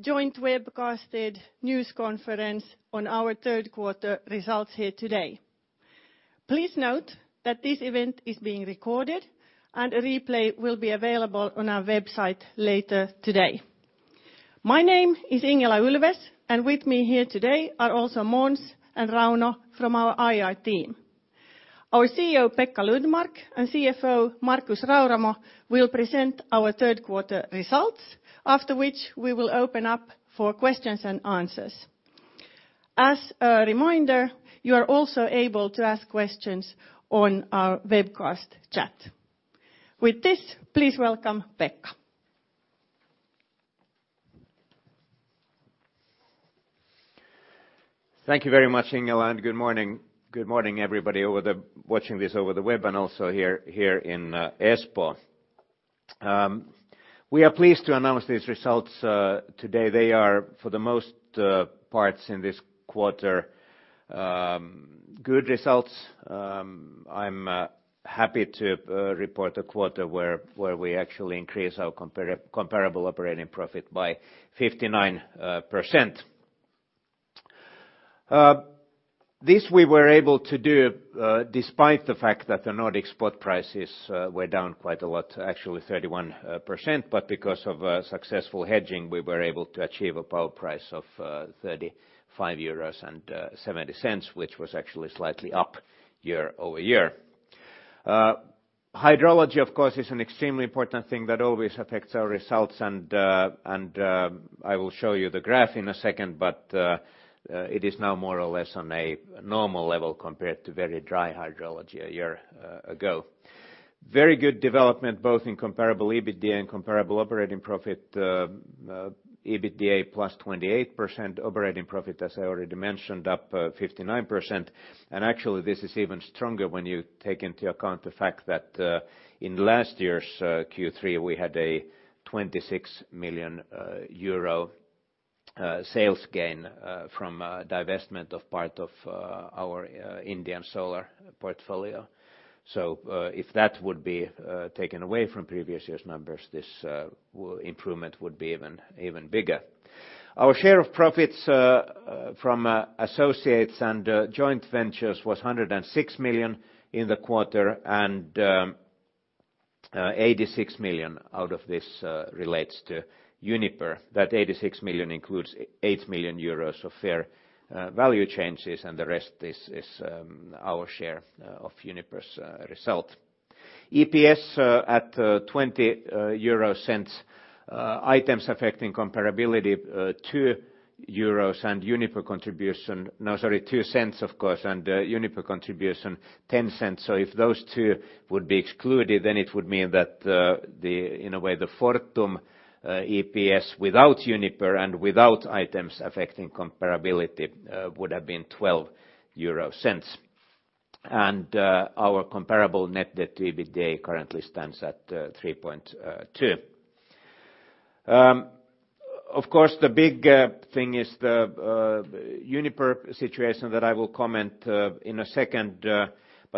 joint webcasted news conference on our third quarter results here today. Please note that this event is being recorded, and a replay will be available on our website later today. My name is Ingela Ulfves, and with me here today are also Måns and Rauno from our IR team. Our CEO, Pekka Lundmark, and CFO, Markus Rauramo, will present our third-quarter results, after which we will open up for questions and answers. As a reminder, you are also able to ask questions on our webcast chat. With this, please welcome Pekka. Thank you very much, Ingela. Good morning. Good morning, everybody watching this over the web and also here in Espoo. We are pleased to announce these results today. They are, for the most part in this quarter, good results. I'm happy to report a quarter where we actually increased our comparable operating profit by 59%. This we were able to do despite the fact that the Nordic spot prices were down quite a lot, actually 31%, but because of successful hedging, we were able to achieve a power price of 35.70 euros, which was actually slightly up year-over-year. Hydrology, of course, is an extremely important thing that always affects our results, and I will show you the graph in a second, but it is now more or less on a normal level compared to very dry hydrology a year ago. Very good development, both in comparable EBITDA and comparable operating profit, EBITDA plus 28%, operating profit, as I already mentioned, up 59%. Actually, this is even stronger when you take into account the fact that in last year's Q3, we had a 26 million euro sales gain from divestment of part of our Indian solar portfolio. If that would be taken away from previous year's numbers, this improvement would be even bigger. Our share of profits from associates and joint ventures was 106 million in the quarter, and 86 million out of this relates to Uniper. That 86 million includes 8 million euros of fair value changes, and the rest is our share of Uniper's result. EPS at 0.20, items affecting comparability 0.02 euros, and Uniper contribution 0.10. If those two would be excluded, it would mean that in a way, the Fortum EPS without Uniper and without items affecting comparability would have been 0.12. Our comparable net debt to EBITDA currently stands at 3.2. Of course, the big thing is the Uniper situation that I will comment in a second.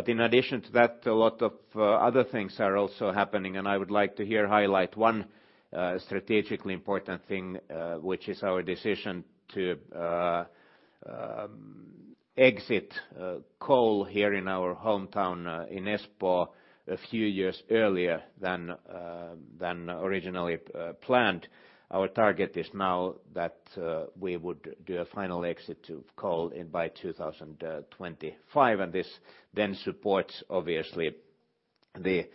In addition to that, a lot of other things are also happening, and I would like to here highlight one strategically important thing, which is our decision to exit coal here in our hometown in Espoo a few years earlier than originally planned. Our target is now that we would do a final exit to coal by 2025, and this then supports, obviously, the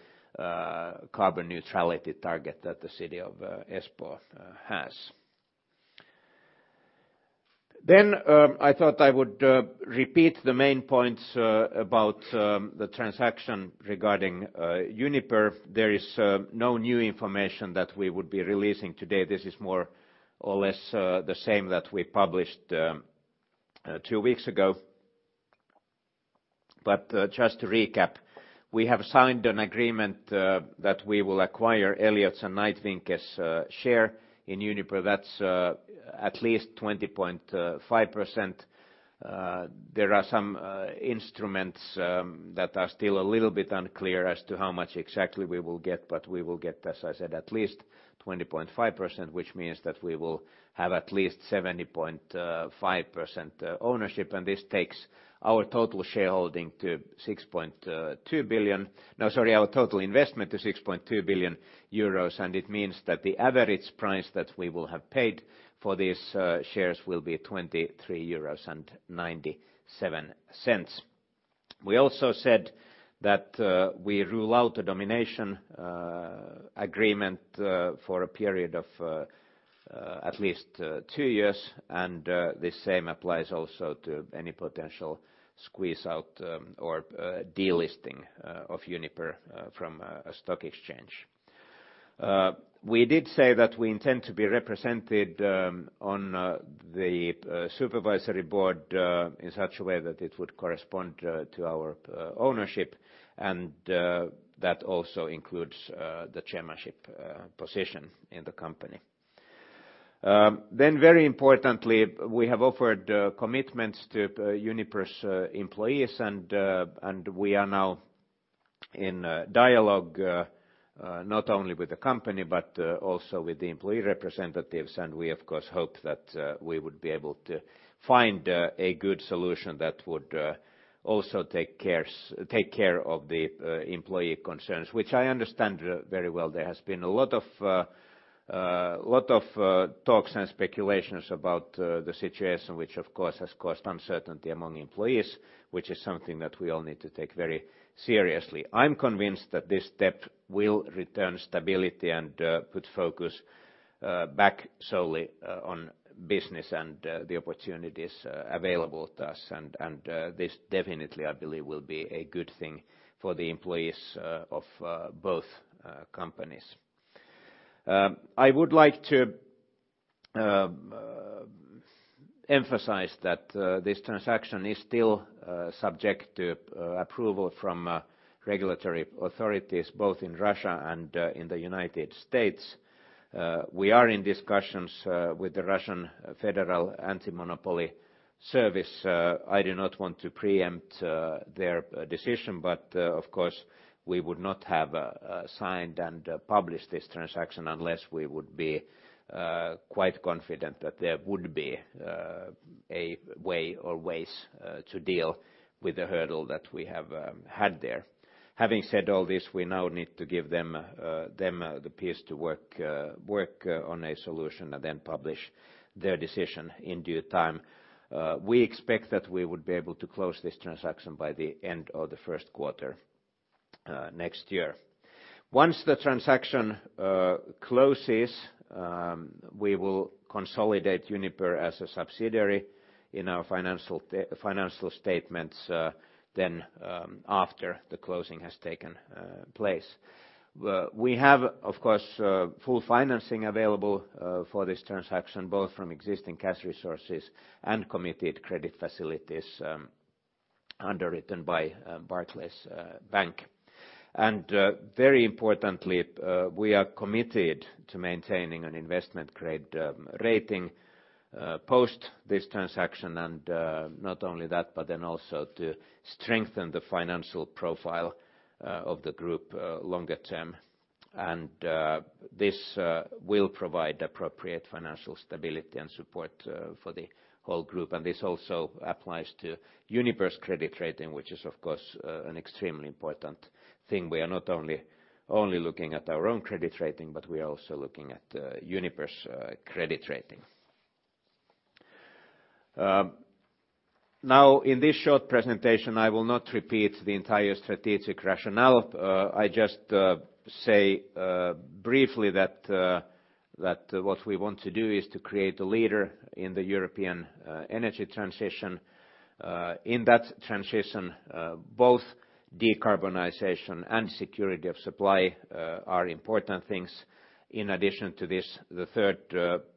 carbon neutrality target that the city of Espoo has. I thought I would repeat the main points about the transaction regarding Uniper. There is no new information that we would be releasing today. This is more or less the same that we published two weeks ago. Just to recap, we have signed an agreement that we will acquire Elliott's and Knight Vinke's share in Uniper. That's at least 20.5%. There are some instruments that are still a little bit unclear as to how much exactly we will get, but we will get, as I said, at least 20.5%, which means that we will have at least 70.5% ownership, and this takes our total investment to 6.2 billion euros. It means that the average price that we will have paid for these shares will be 23.97 euros. We also said that we rule out a domination agreement for a period of at least two years, and the same applies also to any potential squeeze-out or delisting of Uniper from a stock exchange. We did say that we intend to be represented on the supervisory board in such a way that it would correspond to our ownership, and that also includes the chairmanship position in the company. Very importantly, we have offered commitments to Uniper's employees, and we are now in a dialogue not only with the company but also with the employee representatives, and we, of course, hope that we would be able to find a good solution that would also take care of the employee concerns, which I understand very well. There has been a lot of talks and speculations about the situation, which of course, has caused uncertainty among employees, which is something that we all need to take very seriously. I'm convinced that this step will return stability and put focus back solely on business and the opportunities available to us. This definitely, I believe, will be a good thing for the employees of both companies. I would like to emphasize that this transaction is still subject to approval from regulatory authorities, both in Russia and in the United States. We are in discussions with the Russian Federal Antimonopoly Service. I do not want to preempt their decision, but of course, we would not have signed and published this transaction unless we would be quite confident that there would be a way or ways to deal with the hurdle that we have had there. Having said all this, we now need to give them the peers to work on a solution and then publish their decision in due time. We expect that we would be able to close this transaction by the end of the first quarter next year. Once the transaction closes, we will consolidate Uniper as a subsidiary in our financial statements then, after the closing has taken place. We have, of course, full financing available for this transaction, both from existing cash resources and committed credit facilities underwritten by Barclays Bank. Very importantly, we are committed to maintaining an investment-grade rating post this transaction, and not only that, but then also to strengthen the financial profile of the group longer term. This will provide appropriate financial stability and support for the whole group, and this also applies to Uniper's credit rating, which is, of course, an extremely important thing. We are not only looking at our own credit rating, but we are also looking at Uniper's credit rating. Now, in this short presentation, I will not repeat the entire strategic rationale. I just say briefly that what we want to do is to create a leader in the European energy transition. In that transition, both decarbonization and security of supply are important things. In addition to this, the third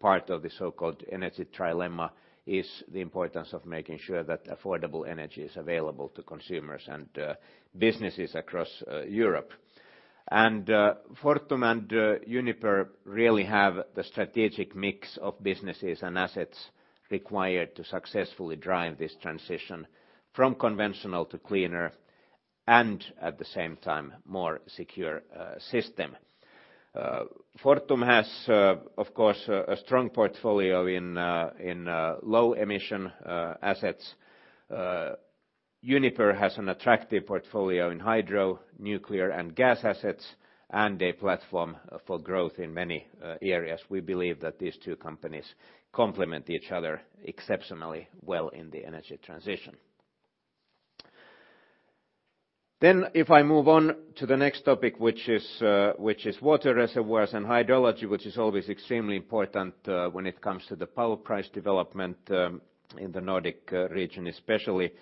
part of the so-called energy trilemma is the importance of making sure that affordable energy is available to consumers and businesses across Europe. Fortum and Uniper really have the strategic mix of businesses and assets required to successfully drive this transition from conventional to cleaner and at the same time, more secure system. Fortum has, of course, a strong portfolio in low-emission assets. Uniper has an attractive portfolio in hydro, nuclear, and gas assets, and a platform for growth in many areas. We believe that these two companies complement each other exceptionally well in the energy transition. If I move on to the next topic, which is water reservoirs and hydrology, which is always extremely important when it comes to the power price development in the Nordic region, especially.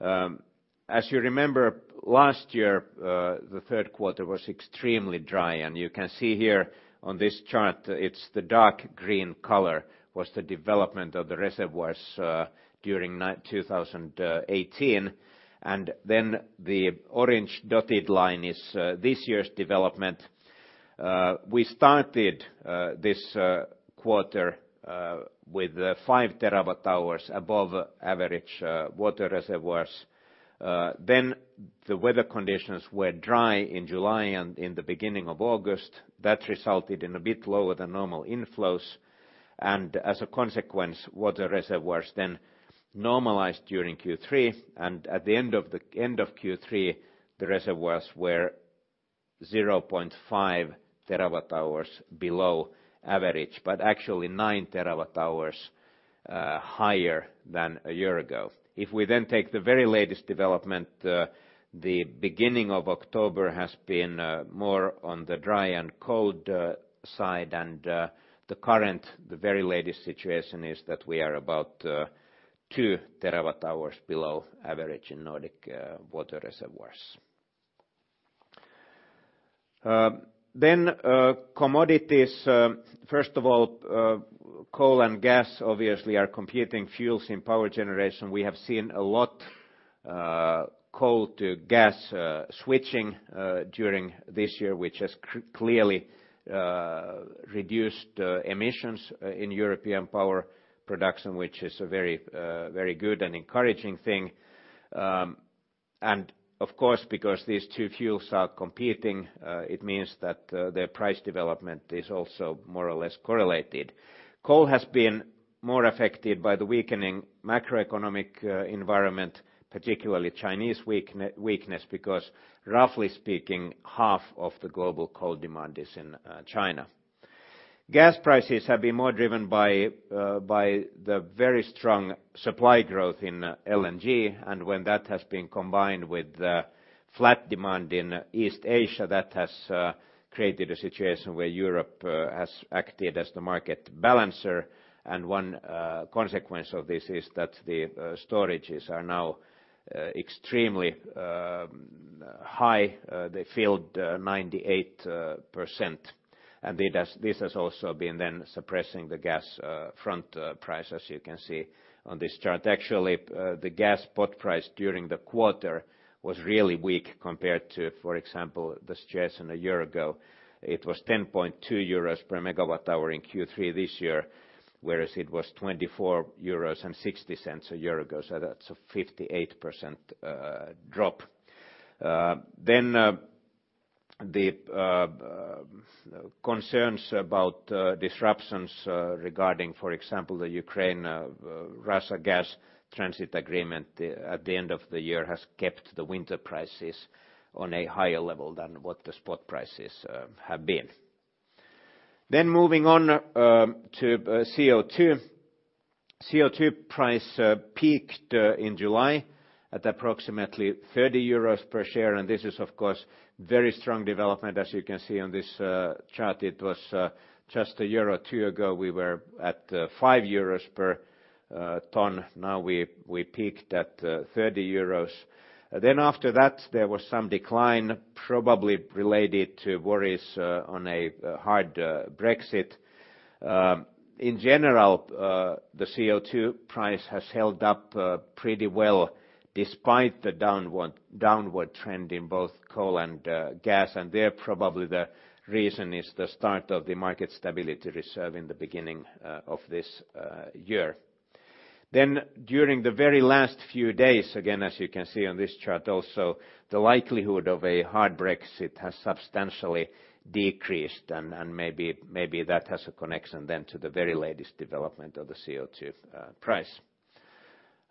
As you remember, last year, the third quarter was extremely dry, and you can see here on this chart, it's the dark green color was the development of the reservoirs during 2018, and then the orange dotted line is this year's development. We started this quarter with five terawatt-hours above average water reservoirs. The weather conditions were dry in July and in the beginning of August. That resulted in a bit lower than normal inflows. As a consequence, water reservoirs then normalized during Q3, and at the end of Q3, the reservoirs were 0.5 terawatt-hours below average, but actually nine terawatt-hours higher than a year ago. If we take the very latest development, the beginning of October has been more on the dry and cold side, and the very latest situation is that we are about two terawatt-hours below average in Nordic water reservoirs. Commodities, first of all, coal and gas obviously are competing fuels in power generation. We have seen a lot-Coal to gas switching during this year, which has clearly reduced emissions in European power production, which is a very good and encouraging thing. Of course, because these two fuels are competing, it means that their price development is also more or less correlated. Coal has been more affected by the weakening macroeconomic environment, particularly Chinese weakness, because roughly speaking, half of the global coal demand is in China. Gas prices have been more driven by the very strong supply growth in LNG. When that has been combined with flat demand in East Asia, that has created a situation where Europe has acted as the market balancer. One consequence of this is that the storages are now extremely high. They filled 98%, and this has also been then suppressing the gas front price, as you can see on this chart. Actually, the gas spot price during the quarter was really weak compared to, for example, this year and a year ago. It was 10.2 euros per megawatt hour in Q3 this year, whereas it was 24.60 euros a year ago. That's a 58% drop. The concerns about disruptions regarding, for example, the Ukraine-Russia gas transit agreement at the end of the year has kept the winter prices on a higher level than what the spot prices have been. Moving on to CO2. CO2 price peaked in July at approximately 30 euros per ton. This is, of course, very strong development. As you can see on this chart, it was just a year or two ago, we were at five euros per ton. Now we peaked at 30 euros. After that, there was some decline, probably related to worries on a hard Brexit. In general, the CO2 price has held up pretty well despite the downward trend in both coal and gas. There, probably the reason is the start of the Market Stability Reserve in the beginning of this year. During the very last few days, again, as you can see on this chart also, the likelihood of a hard Brexit has substantially decreased, and maybe that has a connection then to the very latest development of the CO2 price.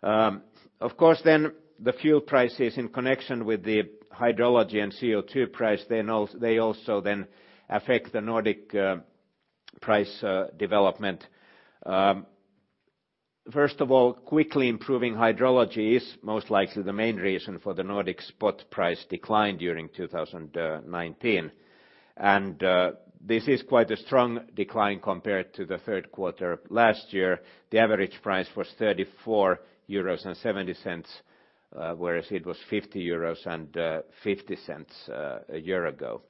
Of course, then the fuel prices in connection with the hydrology and CO2 price, they also then affect the Nordic price development. First of all, quickly improving hydrology is most likely the main reason for the Nordic spot price decline during 2019. This is quite a strong decline compared to the third quarter of last year. The average price was 34.70 euros, whereas it was 50.50 euros a year ago.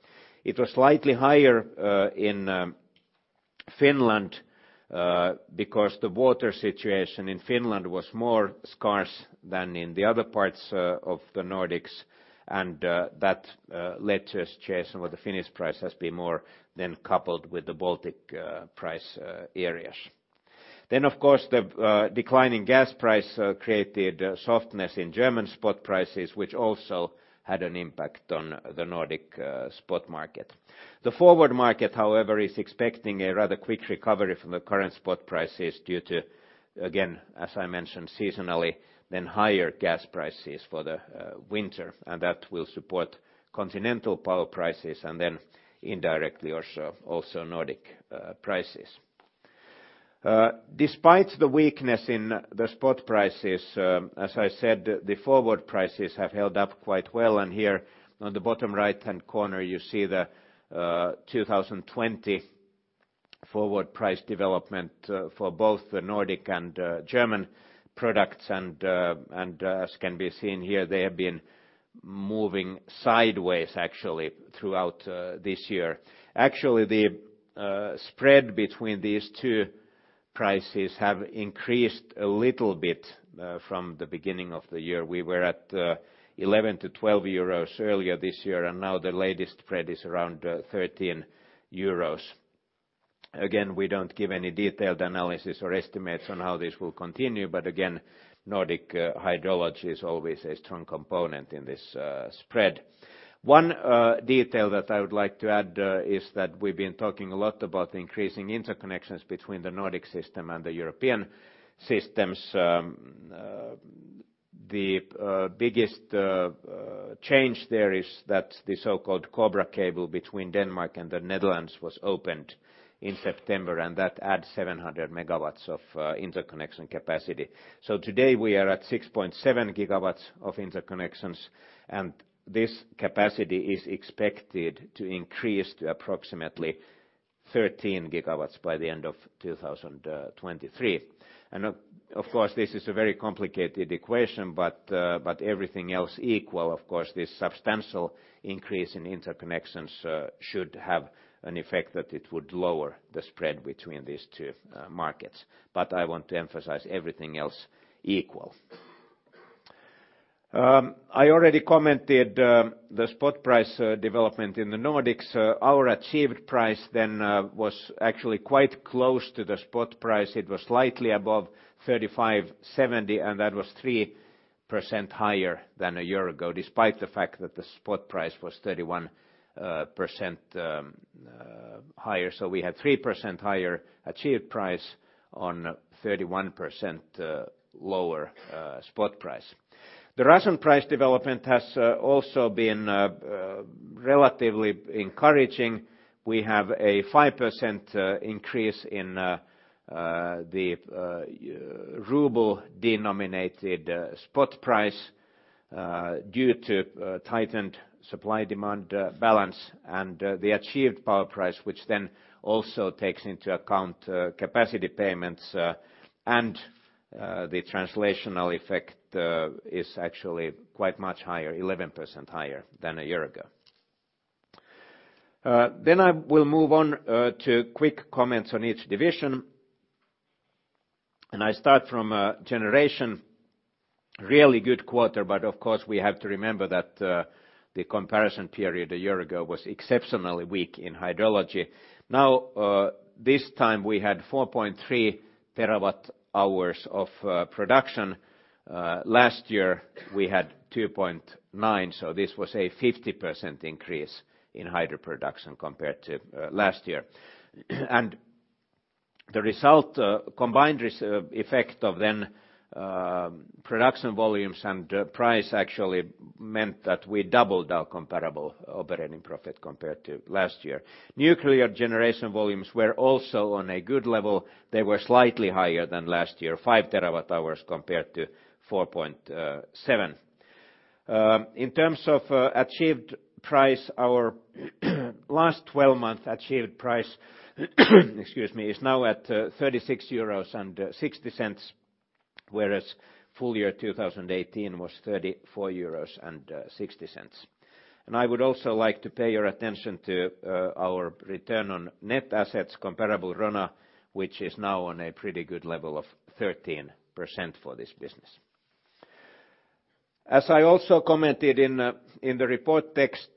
It was slightly higher in Finland, because the water situation in Finland was scarcer than in the other parts of the Nordics. That led to a situation where the Finnish price has been more than coupled with the Baltic price areas. Of course, the declining gas price created softness in German spot prices, which also had an impact on the Nordic spot market. The forward market, however, is expecting a rather quick recovery from the current spot prices due to, again, as I mentioned seasonally, then higher gas prices for the winter. That will support continental power prices, and then indirectly also Nordic prices. Despite the weakness in the spot prices, as I said, the forward prices have held up quite well. Here on the bottom right-hand corner, you see the 2020 forward price development for both the Nordic and German products. As can be seen here, they have been moving sideways actually throughout this year. Actually, the spread between these two prices has increased a little bit from the beginning of the year. We were at 11-12 euros earlier this year, and now the latest spread is around 13 euros. Again, we don't give any detailed analysis or estimates on how this will continue. Again, Nordic hydrology is always a strong component in this spread. One detail that I would like to add is that we've been talking a lot about increasing interconnections between the Nordic system and the European systems. The biggest change there is that the so-called COBRAcable between Denmark and the Netherlands was opened in September, and that adds 700 MW of interconnection capacity. Today we are at 6.7 GW of interconnections, and this capacity is expected to increase to approximately 13 GW by the end of 2023. Of course, this is a very complicated equation, but everything else equal, of course, this substantial increase in interconnections should have an effect that it would lower the spread between these two markets. I want to emphasize everything else equal. I already commented the spot price development in the Nordics. Our achieved price was actually quite close to the spot price. It was slightly above 35.70, and that was 3% higher than a year ago, despite the fact that the spot price was 31% higher. We had 3% higher achieved price on 31% lower spot price. The Russian price development has also been relatively encouraging. We have a 5% increase in the ruble-denominated spot price due to tightened supply-demand balance, and the achieved power price, which then also takes into account capacity payments and the translational effect, is actually quite much higher, 11% higher than a year ago. I will move on to quick comments on each division. I start from Generation. Really good quarter, but of course, we have to remember that the comparison period a year ago was exceptionally weak in hydrology. This time we had 4.3 terawatt hours of production. Last year we had 2.9, so this was a 50% increase in hydro production compared to last year. The combined effect of then production volumes and price actually meant that we doubled our comparable operating profit compared to last year. Nuclear generation volumes were also on a good level. They were slightly higher than last year, five terawatt hours compared to 4.7. In terms of achieved price, our last 12-month achieved price excuse me, is now at €36.60, whereas full year 2018 was €34.60. I would also like to pay your attention to our return on net assets comparable, RONA, which is now on a pretty good level of 13% for this business. As I also commented in the report text,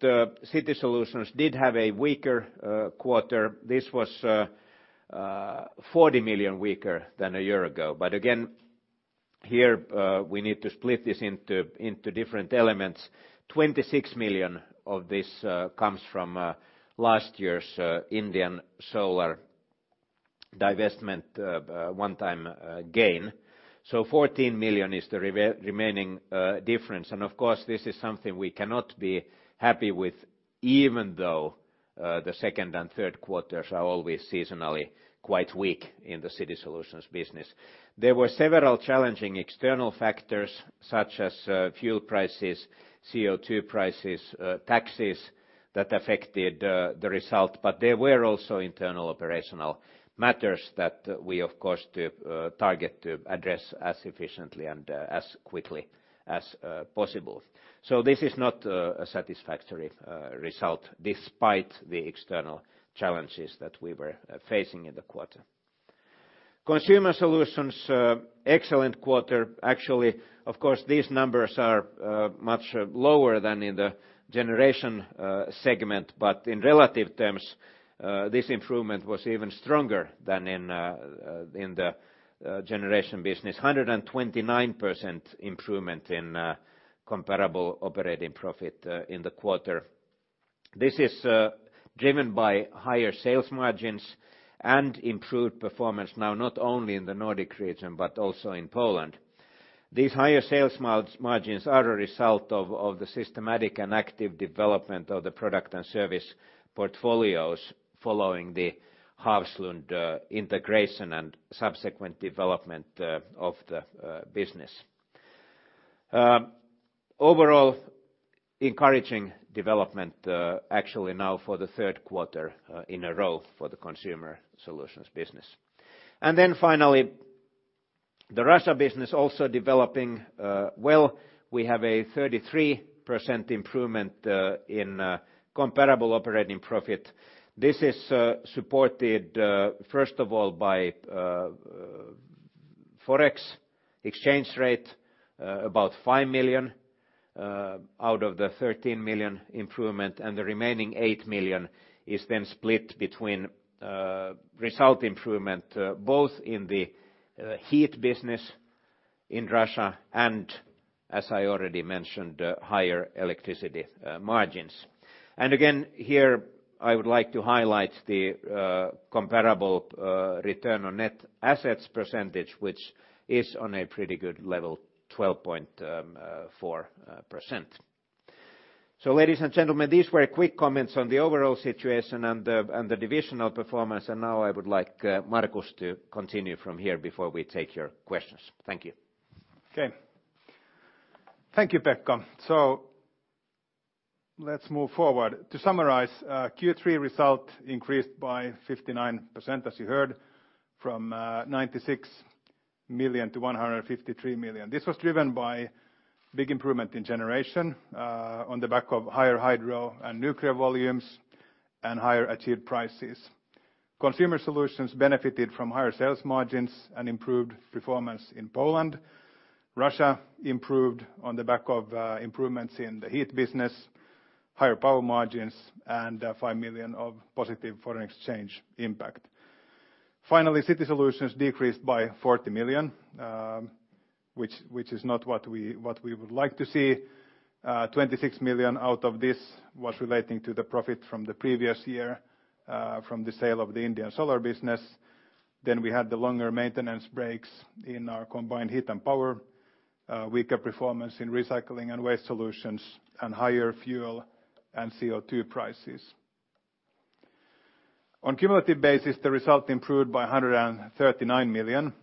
City Solutions did have a weaker quarter. This was €40 million weaker than a year ago. Again, here we need to split this into different elements. 26 million of this comes from last year's Indian solar divestment one-time gain. 14 million is the remaining difference, and of course, this is something we cannot be happy with, even though the second and third quarters are always seasonally quite weak in the City Solutions business. There were several challenging external factors, such as fuel prices, CO2 prices, taxes that affected the result. There were also internal operational matters that we, of course, target to address as efficiently and as quickly as possible. This is not a satisfactory result despite the external challenges that we were facing in the quarter. Consumer Solutions, excellent quarter, actually. Of course, these numbers are much lower than in the Generation segment, but in relative terms, this improvement was even stronger than in the Generation business, 129% improvement in comparable operating profit in the quarter. This is driven by higher sales margins and improved performance, now not only in the Nordic region, but also in Poland. These higher sales margins are a result of the systematic and active development of the product and service portfolios following the Hafslund integration and subsequent development of the business. Overall, encouraging development actually now for the third quarter in a row for the Consumer Solutions business. Finally, the Russia business also developing well. We have a 33% improvement in comparable operating profit. This is supported, first of all, by forex exchange rate, about five million out of the 13 million improvement, and the remaining eight million is then split between result improvement, both in the heat business in Russia and, as I already mentioned, higher electricity margins. Again, here I would like to highlight the comparable return on net assets percentage, which is on a pretty good level, 12.4%. Ladies and gentlemen, these were quick comments on the overall situation and the divisional performance. Now I would like Markus to continue from here before we take your questions. Thank you. Okay. Thank you, Pekka. Let's move forward. To summarize, Q3 result increased by 59%, as you heard, from 96 million to 153 million. This was driven by big improvement in Generation on the back of higher hydro and nuclear volumes and higher achieved prices. Consumer Solutions benefited from higher sales margins and improved performance in Poland. Russia improved on the back of improvements in the heat business, higher power margins, and 5 million of positive foreign exchange impact. City Solutions decreased by 40 million, which is not what we would like to see. 26 million out of this was relating to the profit from the previous year from the sale of the Indian solar business. We had the longer maintenance breaks in our combined heat and power, weaker performance in Recycling and Waste Solutions, and higher fuel and CO2 prices. On cumulative basis, the result improved by 139 million,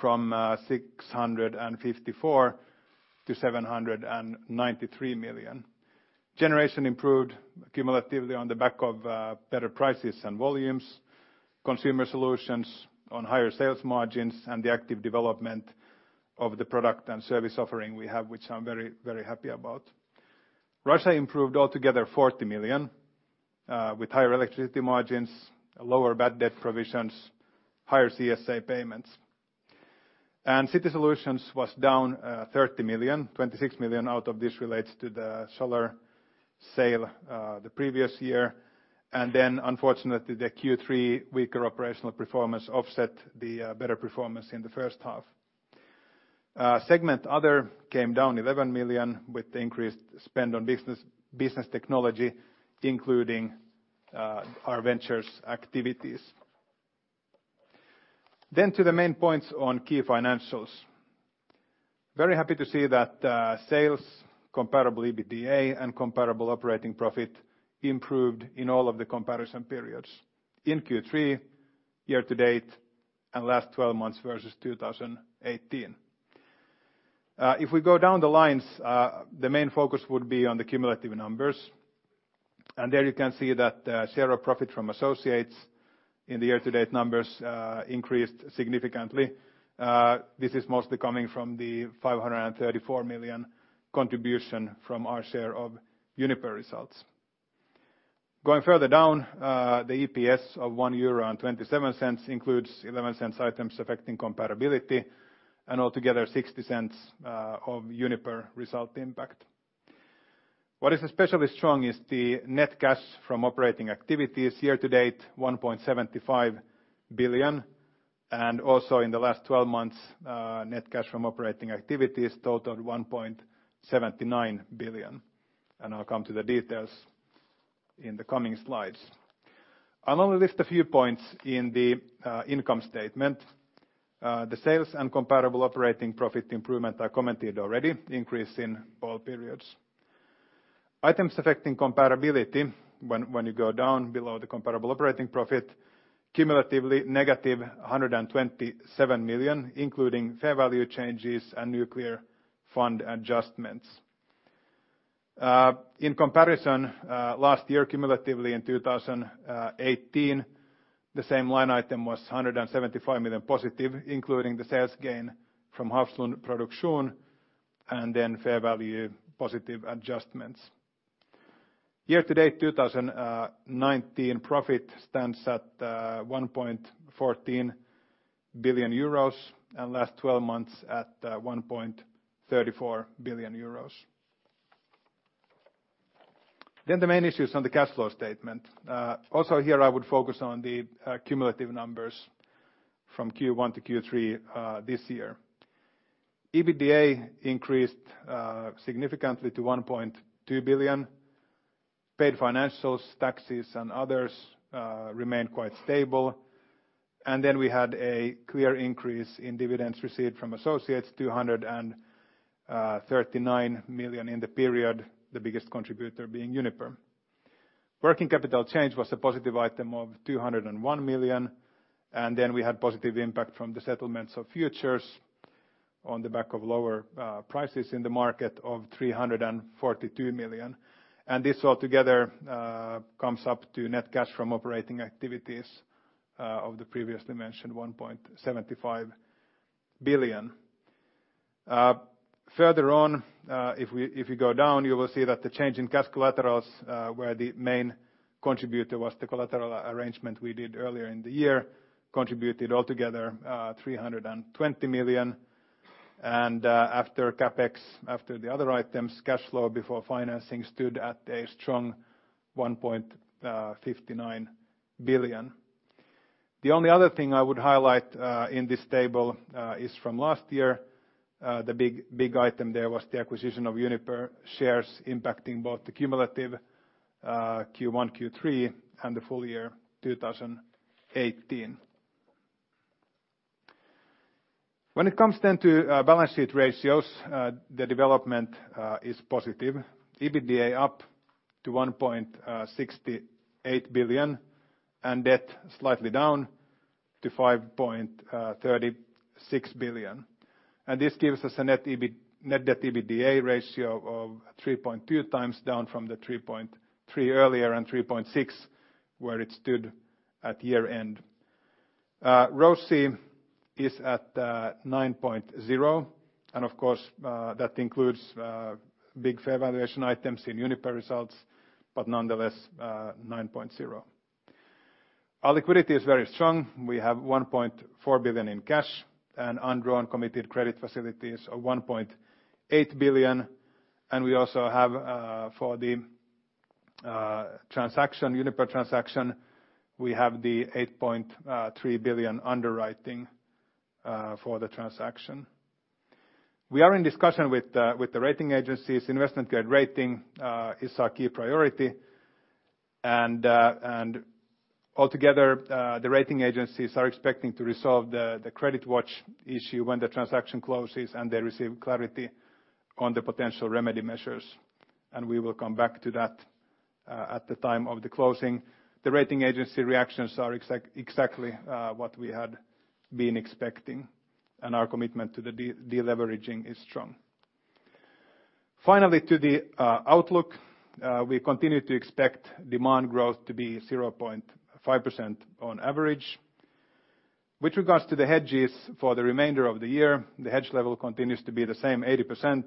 from 654 million to 793 million. Generation improved cumulatively on the back of better prices and volumes, Consumer Solutions on higher sales margins, and the active development of the product and service offering we have, which I'm very happy about. Russia improved altogether 40 million, with higher electricity margins, lower bad debt provisions, higher CSA payments. City Solutions was down 30 million, 26 million out of this relates to the solar sale the previous year. Unfortunately, the Q3 weaker operational performance offset the better performance in the first half. Segment other came down 11 million with increased spend on business technology, including our ventures activities. To the main points on key financials. Very happy to see that sales comparable EBITDA and comparable operating profit improved in all of the comparison periods in Q3, year-to-date and last 12 months versus 2018. We go down the lines, the main focus would be on the cumulative numbers. There you can see that share of profit from associates in the year-to-date numbers increased significantly. This is mostly coming from the 534 million contribution from our share of Uniper results. Going further down, the EPS of €1.27 includes 0.11 items affecting comparability, and altogether 0.60 of Uniper result impact. What is especially strong is the net cash from operating activities year-to-date, 1.75 billion, and also in the last 12 months, net cash from operating activities totaled 1.79 billion. I'll come to the details in the coming slides. I'll only list a few points in the income statement. The sales and comparable operating profit improvement are commented already, increase in all periods. Items affecting comparability when you go down below the comparable operating profit, cumulatively negative 127 million, including fair value changes and nuclear fund adjustments. In comparison, last year cumulatively in 2018, the same line item was 175 million positive, including the sales gain from Hafslund Produksjon. Fair value positive adjustments. Year to date 2019 profit stands at 1.14 billion euros and last 12 months at 1.34 billion euros. The main issues on the cash flow statement. Here I would focus on the cumulative numbers from Q1 to Q3 this year. EBITDA increased significantly to 1.2 billion. Paid financials, taxes and others remained quite stable. We had a clear increase in dividends received from associates, 239 million in the period, the biggest contributor being Uniper. Working capital change was a positive item of 201 million, and then we had positive impact from the settlements of futures on the back of lower prices in the market of 342 million. This all together comes up to net cash from operating activities of the previously mentioned 1.75 billion. Further on, if you go down, you will see that the change in cash collaterals, where the main contributor was the collateral arrangement we did earlier in the year, contributed altogether 320 million. After CapEx, after the other items, cash flow before financing stood at a strong 1.59 billion. The only other thing I would highlight in this table is from last year the big item there was the acquisition of Uniper shares impacting both the cumulative Q1, Q3 and the full year 2018. When it comes then to balance sheet ratios, the development is positive. EBITDA up to 1.68 billion and debt slightly down to 5.36 billion. This gives us a net debt EBITDA ratio of 3.2 times down from the 3.3 earlier and 3.6 where it stood at year-end. ROIC is at 9.0. Of course, that includes big fair valuation items in Uniper results, but nonetheless, 9.0. Our liquidity is very strong. We have 1.4 billion in cash and undrawn committed credit facilities of 1.8 billion. We also have for the Uniper transaction, we have the 8.3 billion underwriting for the transaction. We are in discussion with the rating agencies. Investment grade rating is our key priority. Altogether, the rating agencies are expecting to resolve the credit watch issue when the transaction closes, and they receive clarity on the potential remedy measures. We will come back to that at the time of the closing. The rating agency reactions are exactly what we had been expecting, and our commitment to the de-leveraging is strong. Finally, to the outlook, we continue to expect demand growth to be 0.5% on average. With regards to the hedges for the remainder of the year, the hedge level continues to be the same 80%,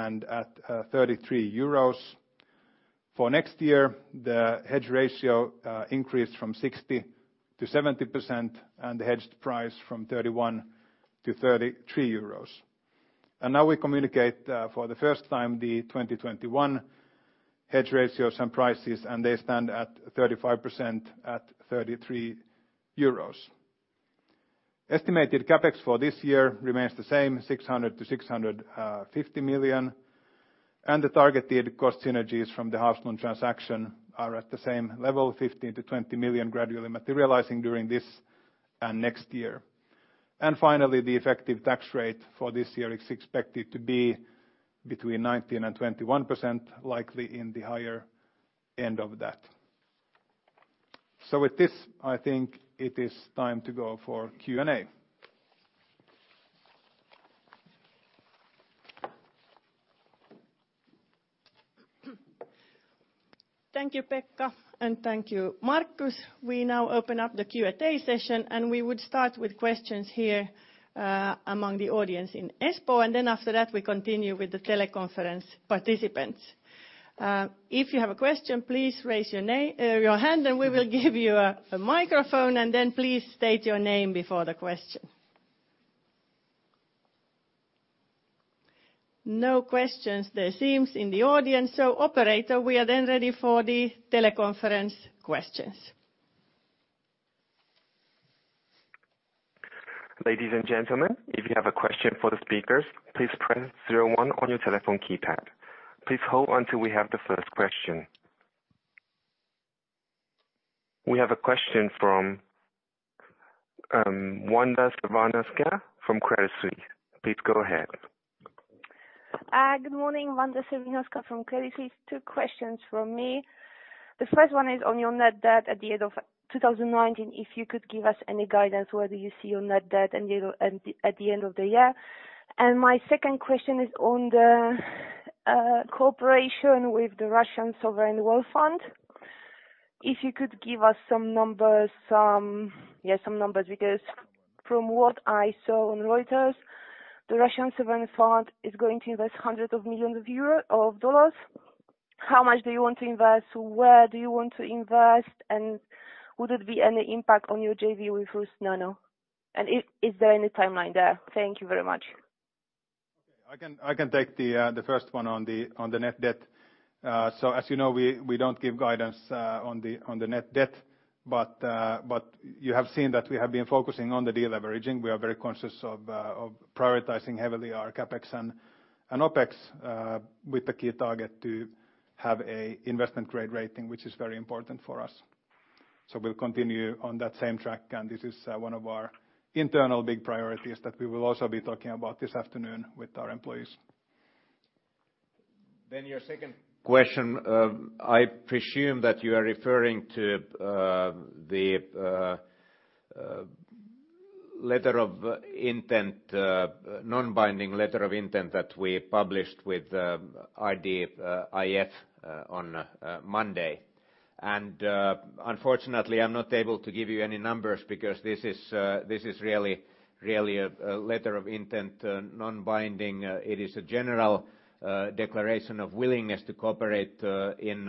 and at 33 euros. For next year, the hedge ratio increased from 60%-70% and the hedged price from 31-33 euros. Now we communicate for the first time the 2021 hedge ratios and prices, and they stand at 35% at 33 euros. Estimated CapEx for this year remains the same, 600 million-650 million. The targeted cost synergies from the Hafslund transaction are at the same level, 15 million-20 million gradually materializing during this and next year. Finally, the effective tax rate for this year is expected to be between 19% and 21%, likely in the higher end of that. With this, I think it is time to go for Q&A. Thank you, Pekka, and thank you, Markus. We now open up the Q&A session, and we would start with questions here among the audience in Espoo. After that, we continue with the teleconference participants. If you have a question, please raise your hand, and we will give you a microphone, and then please state your name before the question. No questions there seems in the audience. Operator, we are then ready for the teleconference questions. Ladies and gentlemen, if you have a question for the speakers, please press zero 1 on your telephone keypad. Please hold until we have the first question. We have a question from Wanda Serwinowska from Credit Suisse. Please go ahead. Good morning, Wanda Serwinowska from Credit Suisse. Two questions from me. The first one is on your net debt at the end of 2019. If you could give us any guidance, whether you see your net debt at the end of the year. My second question is on the corporation with the Russian Sovereign Wealth Fund. If you could give us some numbers, because from what I saw on Reuters, the Russian Sovereign Fund is going to invest hundreds of millions of dollars. How much do you want to invest? Where do you want to invest? Would it be any impact on your JV with Rusnano? Is there any timeline there? Thank you very much. Okay. I can take the first one on the net debt. As you know, we don't give guidance on the net debt, but you have seen that we have been focusing on the de-leveraging. We are very conscious of prioritizing heavily our CapEx and OpEx with the key target to have a investment-grade rating, which is very important for us. We'll continue on that same track, and this is one of our internal big priorities that we will also be talking about this afternoon with our employees. Your second question, I presume that you are referring to the non-binding letter of intent that we published with RDIF on Monday. Unfortunately, I'm not able to give you any numbers because this is really a letter of intent non-binding. It is a general declaration of willingness to cooperate in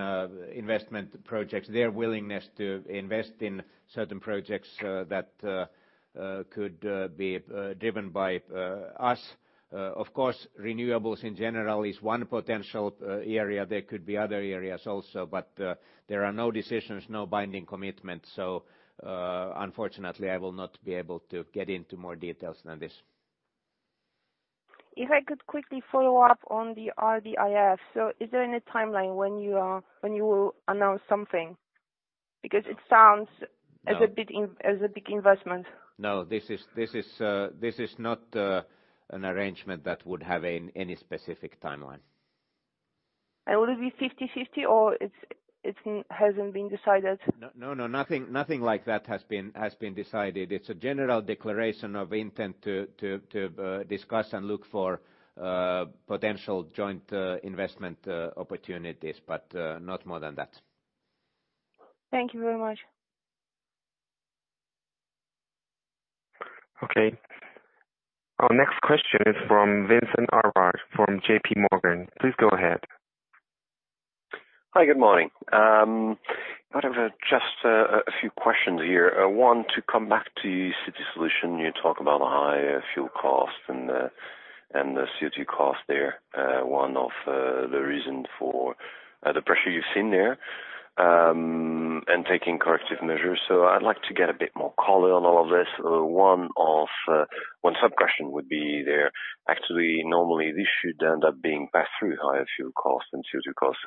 investment projects. Their willingness to invest in certain projects that could be driven by us. Of course, renewables in general is one potential area. There could be other areas also. There are no decisions, no binding commitment. Unfortunately, I will not be able to get into more details than this. If I could quickly follow up on the RDIF. Is there any timeline when you will announce something? Because it sounds as a big investment. No, this is not an arrangement that would have any specific timeline. Will it be 50/50, or it hasn't been decided? No, nothing like that has been decided. It's a general declaration of intent to discuss and look for potential joint investment opportunities, but not more than that. Thank you very much. Okay. Our next question is from Vincent Ayral from JPMorgan. Please go ahead. Hi, good morning. I have just a few questions here. One, to come back to City Solutions, you talk about the higher fuel cost and the CO2 cost there, one of the reason for the pressure you've seen there, and taking corrective measures. I'd like to get a bit more color on all of this. One sub-question would be there. Actually, normally this should end up being passed through higher fuel costs and CO2 costs.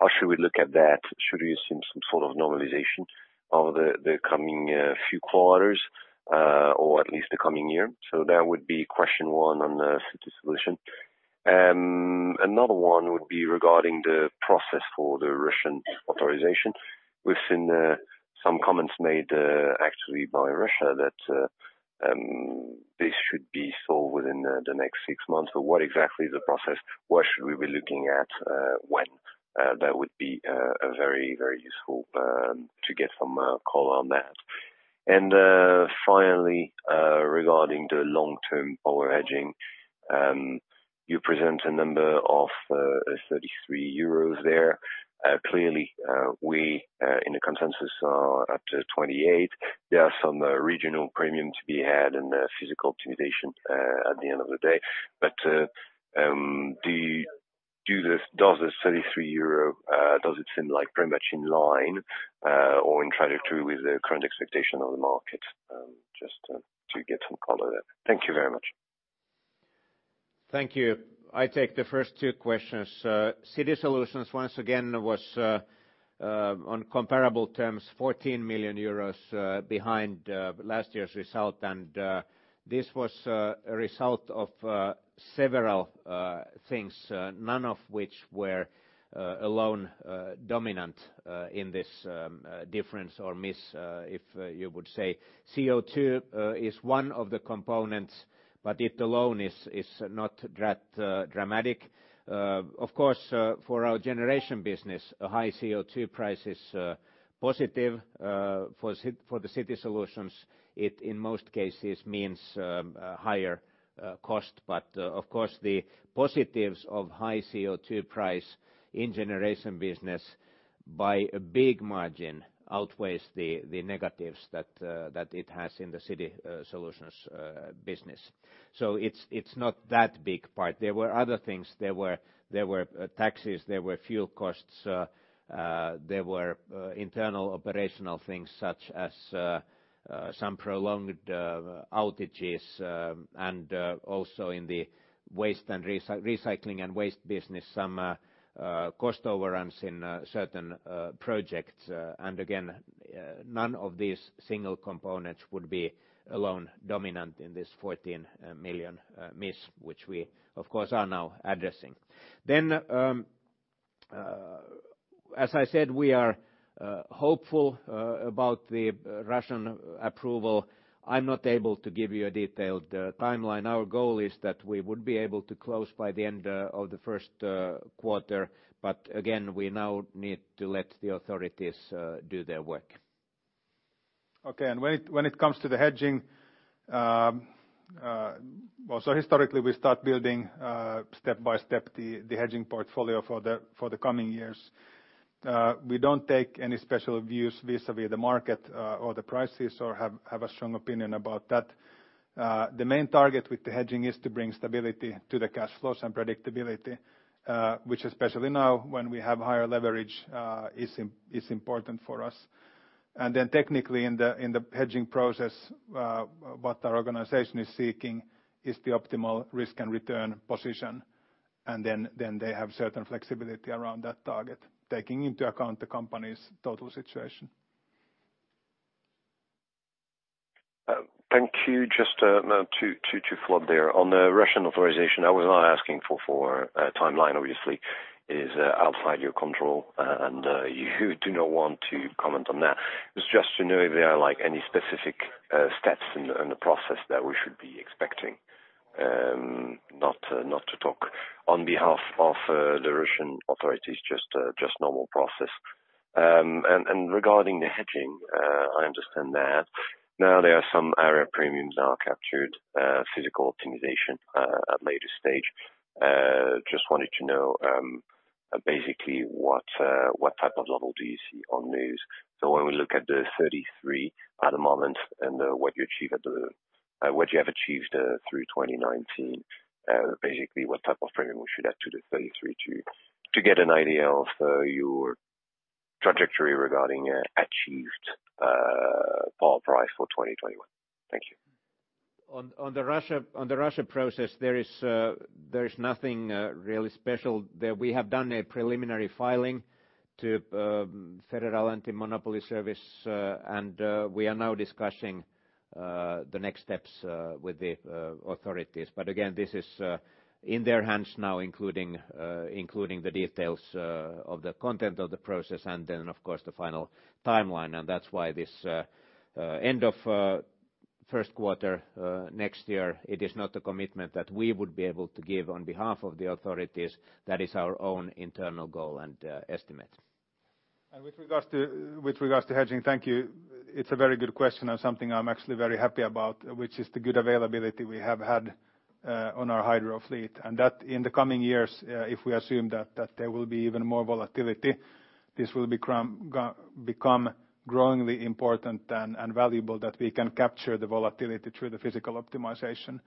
How should we look at that? Should we have seen some sort of normalization over the coming few quarters or at least the coming year? That would be question one on the City Solutions. Another one would be regarding the process for the Russian authorization. We've seen some comments made actually by Russia that this should be solved within the next six months. What exactly is the process? What should we be looking at when? That would be very useful to get some color on that. Finally, regarding the long-term power hedging, you present a number of 33 euros there. Clearly, we in the consensus are up to 28. There are some regional premium to be had in the physical optimization at the end of the day. Does this 33 euro seem pretty much in line or in trajectory with the current expectation of the market? Just to get some color there. Thank you very much. Thank you. I take the first two questions. City Solutions, once again, was on comparable terms, 14 million euros behind last year's result. This was a result of several things, none of which were alone dominant in this difference or miss, if you would say. CO2 is one of the components, but it alone is not that dramatic. Of course, for our Generation business, a high CO2 price is positive. For the City Solutions, it in most cases means a higher cost. Of course, the positives of high CO2 price in Generation business by a big margin outweighs the negatives that it has in the City Solutions business. It's not that big part. There were other things. There were taxes, there were fuel costs, there were internal operational things such as some prolonged outages, and also in the Recycling and Waste Solutions business, some cost overruns in certain projects. Again, none of these single components would be alone dominant in this 14 million miss, which we, of course, are now addressing. As I said, we are hopeful about the Russian approval. I'm not able to give you a detailed timeline. Our goal is that we would be able to close by the end of the first quarter. Again, we now need to let the authorities do their work. Okay. When it comes to the hedging, historically, we start building step by step the hedging portfolio for the coming years. We don't take any special views vis-à-vis the market or the prices or have a strong opinion about that. The main target with the hedging is to bring stability to the cash flows and predictability which especially now when we have higher leverage is important for us. Then technically in the hedging process, what our organization is seeking is the optimal risk and return position. Then they have certain flexibility around that target, taking into account the company's total situation. Thank you. Just to float there. On the Russian authorization, I was not asking for a timeline, obviously, it is outside your control, and you do not want to comment on that. It was just to know if there are any specific steps in the process that we should be expecting. Not to talk on behalf of the Russian authorities, just normal process. Regarding the hedging, I understand that now there are some area premiums now captured physical optimization at later stage. Just wanted to know basically what type of model do you see on these? When we look at the 33 at the moment and what you have achieved through 2019, basically what type of premium we should add to the 33 to get an idea of your trajectory regarding achieved power price for 2021. Thank you. On the Russia process, there is nothing really special there. We have done a preliminary filing to Federal Antimonopoly Service and we are now discussing the next steps with the authorities. Again, this is in their hands now, including the details of the content of the process and then, of course, the final timeline. That's why this end of first quarter next year, it is not a commitment that we would be able to give on behalf of the authorities. That is our own internal goal and estimate. With regards to hedging, thank you. It is a very good question and something I am actually very happy about, which is the good availability we have had on our hydro fleet. That in the coming years, if we assume that there will be even more volatility, this will become growingly important and valuable that we can capture the volatility through the physical optimization.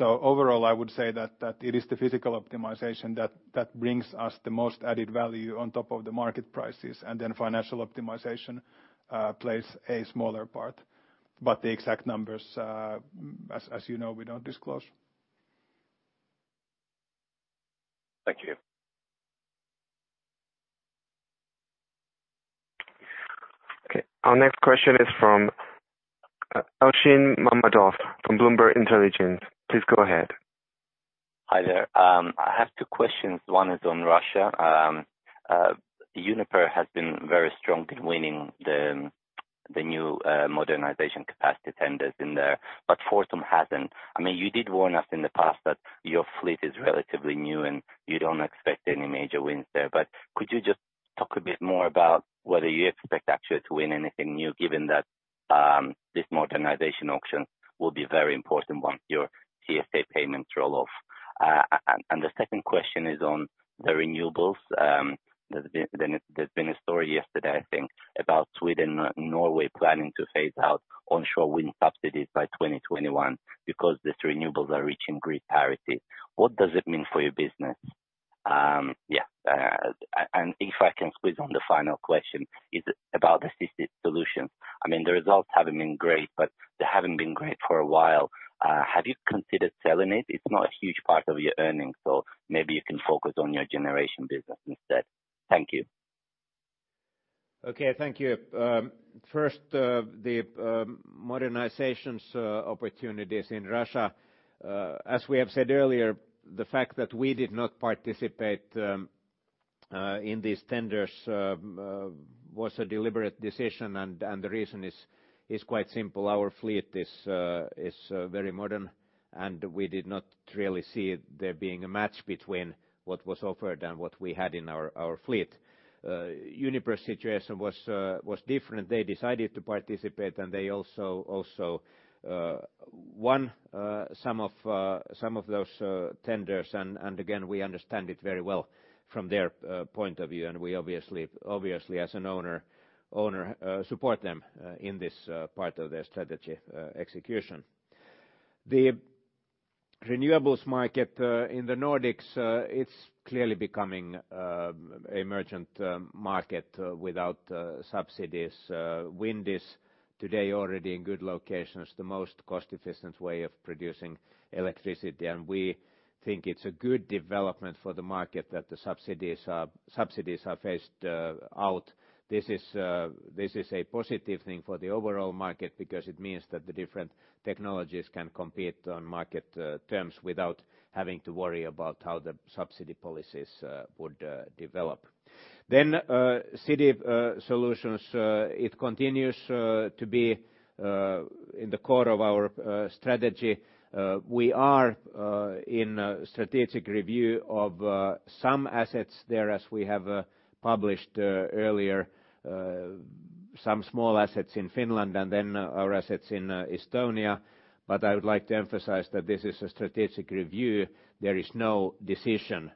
Overall, I would say that it is the physical optimization that brings us the most added value on top of the market prices, and then financial optimization plays a smaller part. The exact numbers, as you know, we do not disclose. Thank you. Okay. Our next question is from Elchin Mammadov from Bloomberg Intelligence. Please go ahead. Hi there. I have two questions. One is on Russia. Uniper has been very strong in winning the new modernization capacity tenders in there, but Fortum hasn't. You did warn us in the past that your fleet is relatively new and you don't expect any major wins there. Could you just talk a bit more about whether you expect actually to win anything new, given that this modernization auction will be very important once your TSA payments roll off? The second question is on the renewables. There's been a story yesterday, I think, about Sweden and Norway planning to phase out onshore wind subsidies by 2021 because these renewables are reaching grid parity. What does it mean for your business? Yeah. If I can squeeze on the final question is about the City Solutions. The results haven't been great, but they haven't been great for a while. Have you considered selling it? It's not a huge part of your earnings, so maybe you can focus on your Generation business instead. Thank you. Okay. Thank you. First, the modernizations opportunities in Russia. As we have said earlier, the fact that we did not participate in these tenders was a deliberate decision, and the reason is quite simple. Our fleet is very modern, and we did not really see there being a match between what was offered and what we had in our fleet. Uniper's situation was different. They decided to participate, and they also won some of those tenders. Again, we understand it very well from their point of view, and we obviously, as an owner, support them in this part of their strategy execution. The renewables market in the Nordics, it's clearly becoming a merchant market without subsidies. Wind is today already in good locations, the most cost-efficient way of producing electricity. We think it's a good development for the market that the subsidies are phased out. This is a positive thing for the overall market because it means that the different technologies can compete on market terms without having to worry about how the subsidy policies would develop. City Solutions, it continues to be in the core of our strategy. We are in a strategic review of some assets there, as we have published earlier, some small assets in Finland and our assets in Estonia. I would like to emphasize that this is a strategic review. There is no decision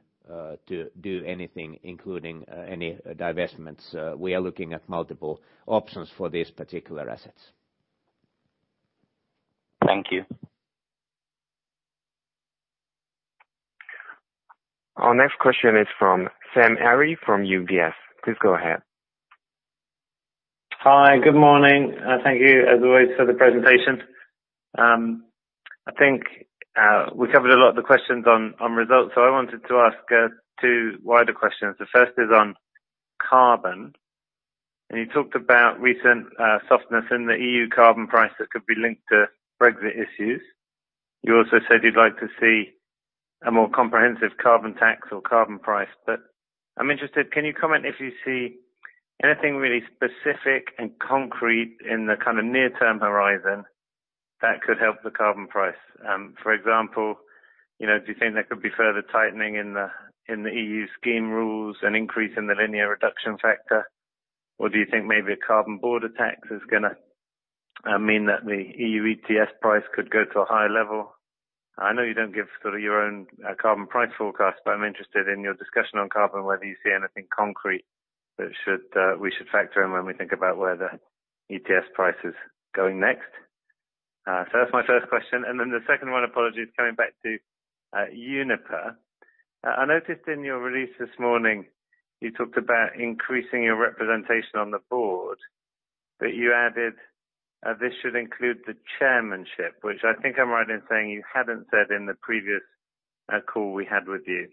to do anything including any divestments. We are looking at multiple options for these particular assets. Thank you. Our next question is from Sam Arie from UBS. Please go ahead. Hi, good morning. Thank you as always for the presentation. I think we covered a lot of the questions on results. I wanted to ask two wider questions. The first is on carbon. You talked about recent softness in the EU carbon price that could be linked to Brexit issues. You also said you'd like to see a more comprehensive carbon tax or carbon price. I'm interested, can you comment if you see anything really specific and concrete in the kind of near-term horizon that could help the carbon price? For example, do you think there could be further tightening in the EU scheme rules, an increase in the Linear Reduction Factor? Do you think maybe a carbon border tax is going to mean that the EU ETS price could go to a higher level? I know you don't give sort of your own carbon price forecast, but I'm interested in your discussion on carbon, whether you see anything concrete that we should factor in when we think about where the ETS price is going next. That's my first question. The second one, apologies, coming back to Uniper. I noticed in your release this morning, you talked about increasing your representation on the board, but you added, "This should include the chairmanship," which I think I'm right in saying you hadn't said in the previous call we had with you.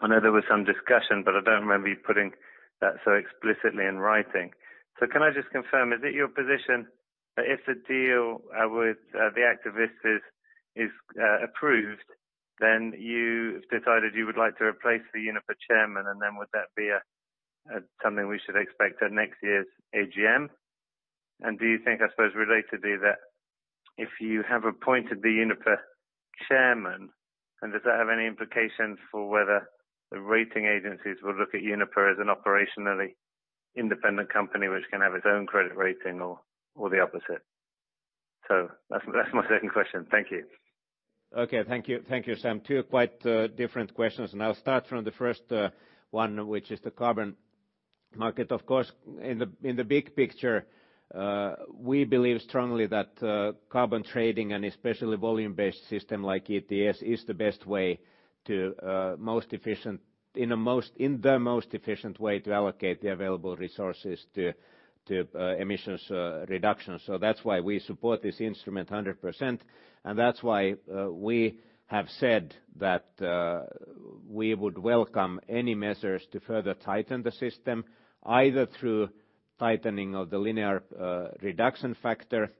I know there was some discussion, but I don't remember you putting that so explicitly in writing. Can I just confirm, is it your position that if the deal with the activists is approved, then you have decided you would like to replace the Uniper chairman, and then would that be something we should expect at next year's AGM? Do you think, I suppose related to that, if you have appointed the Uniper chairman, does that have any implications for whether the rating agencies will look at Uniper as an operationally independent company, which can have its own credit rating or the opposite? That's my second question. Thank you. Okay. Thank you, Sam. Two quite different questions. I'll start from the first one, which is the carbon market. Of course, in the big picture, we believe strongly that carbon trading and especially volume-based system like ETS is the best way to, most efficient in the most efficient way to allocate the available resources to emissions reductions. That's why we support this instrument 100%. That's why we have said that we would welcome any measures to further tighten the system, either through tightening of the Linear Reduction Factor.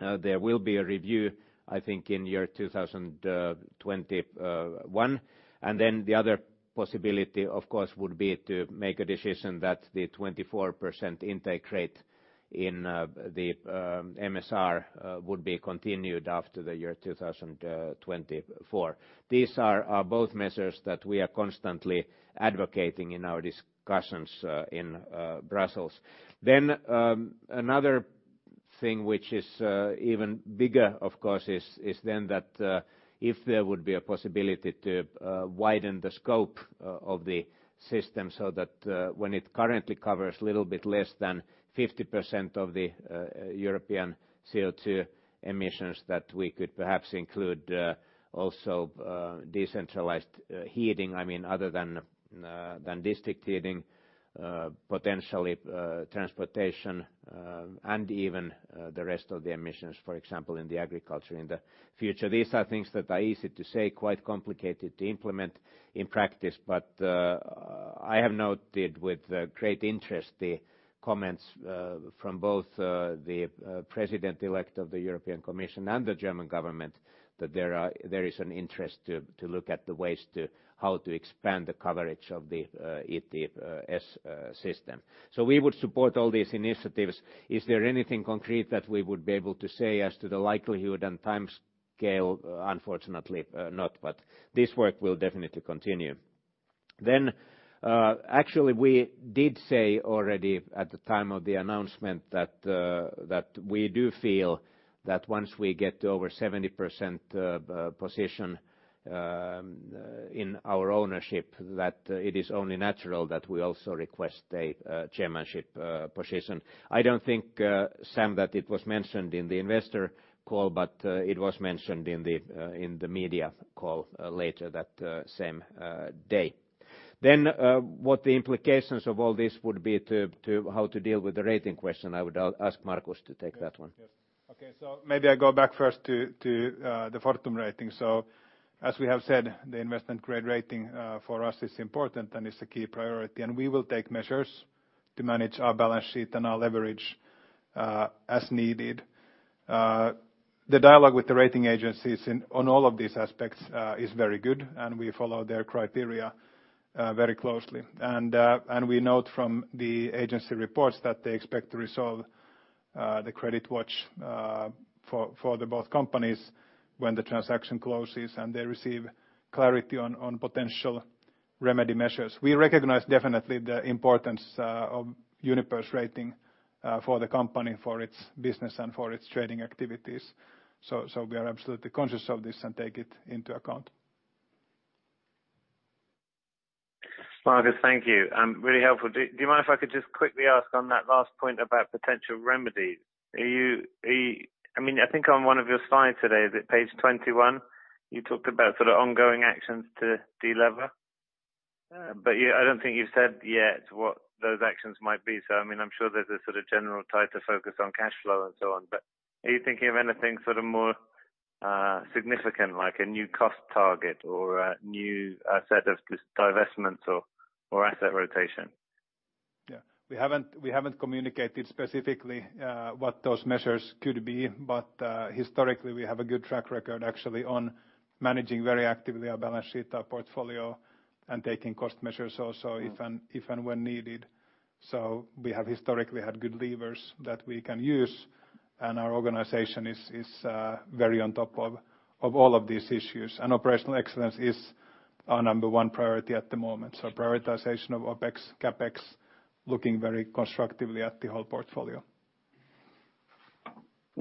There will be a review, I think, in year 2021. The other possibility, of course, would be to make a decision that the 24% intake rate in the MSR would be continued after the year 2024. These are both measures that we are constantly advocating in our discussions in Brussels. Another thing which is even bigger, of course, is that if there would be a possibility to widen the scope of the system so that when it currently covers a little bit less than 50% of the European CO2 emissions, that we could perhaps include also decentralized heating. I mean, other than district heating, potentially transportation and even the rest of the emissions, for example, in the agriculture in the future. These are things that are easy to say, quite complicated to implement in practice. I have noted with great interest the comments from both the president-elect of the European Commission and the German government that there is an interest to look at the ways to how to expand the coverage of the ETS system. We would support all these initiatives. Is there anything concrete that we would be able to say as to the likelihood and timescale? Unfortunately not. This work will definitely continue. Actually, we did say already at the time of the announcement that we do feel that once we get over 70% position in our ownership, that it is only natural that we also request a chairmanship position. I don't think, Sam, that it was mentioned in the investor call. It was mentioned in the media call later that same day. What the implications of all this would be how to deal with the rating question, I would ask Markus to take that one. Yes. Okay. Maybe I go back first to the Fortum rating. As we have said, the investment-grade rating for us is important and is a key priority, and we will take measures to manage our balance sheet and our leverage as needed. The dialogue with the rating agencies on all of these aspects is very good, and we follow their criteria very closely. We note from the agency reports that they expect to resolve the credit watch for the both companies when the transaction closes and they receive clarity on potential remedy measures. We recognize definitely the importance of Uniper's rating for the company, for its business, and for its trading activities. We are absolutely conscious of this and take it into account. Markus, thank you. Really helpful. Do you mind if I could just quickly ask on that last point about potential remedies? I think on one of your slides today, is it page 21? You talked about sort of ongoing actions to delever, but I don't think you've said yet what those actions might be. I'm sure there's a sort of general tighter focus on cash flow and so on, but are you thinking of anything sort of more significant, like a new cost target or a new set of divestments or asset rotation? Yeah. We haven't communicated specifically what those measures could be. Historically, we have a good track record actually on managing very actively our balance sheet, our portfolio, and taking cost measures also if and when needed. We have historically had good levers that we can use, and our organization is very on top of all of these issues. Operational excellence is our number one priority at the moment, prioritization of OpEx, CapEx, looking very constructively at the whole portfolio.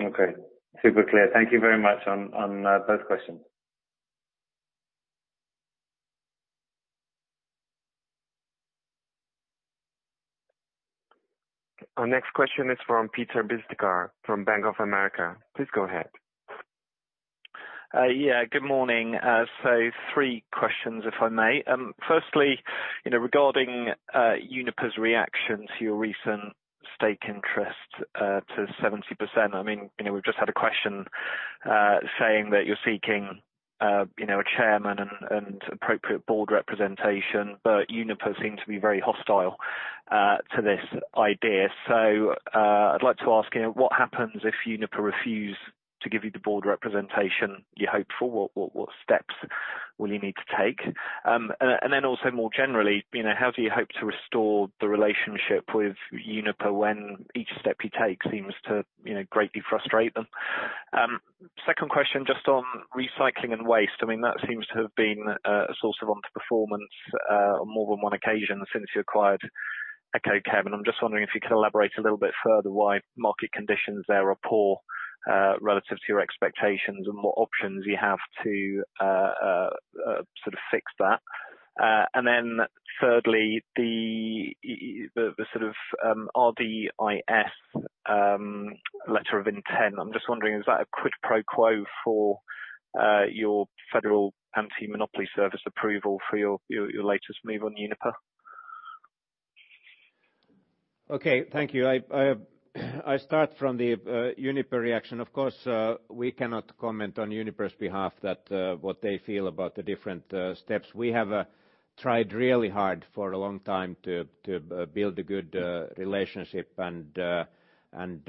Okay. Super clear. Thank you very much on those questions. Our next question is from Peter Bisztyga from Bank of America. Please go ahead. Good morning. 3 questions, if I may. Firstly, regarding Uniper's reaction to your recent stake interest to 70%. We've just had a question saying that you're seeking a chairman and appropriate board representation, but Uniper seem to be very hostile to this idea. I'd like to ask, what happens if Uniper refuse to give you the board representation you hope for? What steps will you need to take? More generally, how do you hope to restore the relationship with Uniper when each step you take seems to greatly frustrate them? 2nd question, just on Recycling and Waste. That seems to have been a source of underperformance on more than one occasion since you acquired Ekokem. I'm just wondering if you could elaborate a little bit further why market conditions there are poor relative to your expectations and what options you have to fix that. Thirdly, the RDIF letter of intent. I'm just wondering, is that a quid pro quo for your Federal Antimonopoly Service approval for your latest move on Uniper? Okay. Thank you. I start from the Uniper reaction. Of course, we cannot comment on Uniper's behalf what they feel about the different steps. We have tried really hard for a long time to build a good relationship, and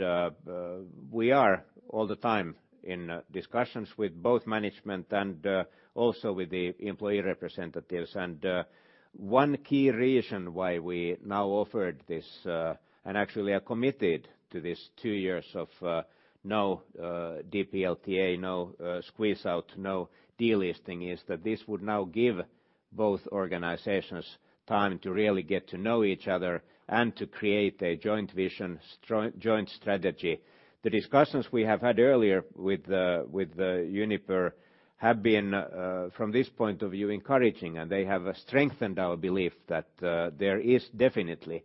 we are all the time in discussions with both management and also with the employee representatives. One key reason why we now offered this, and actually are committed to this two years of no DPLTA, no squeeze-out, no delisting, is that this would now give both organizations time to really get to know each other and to create a joint vision, joint strategy. The discussions we have had earlier with Uniper have been, from this point of view, encouraging, and they have strengthened our belief that there is definitely a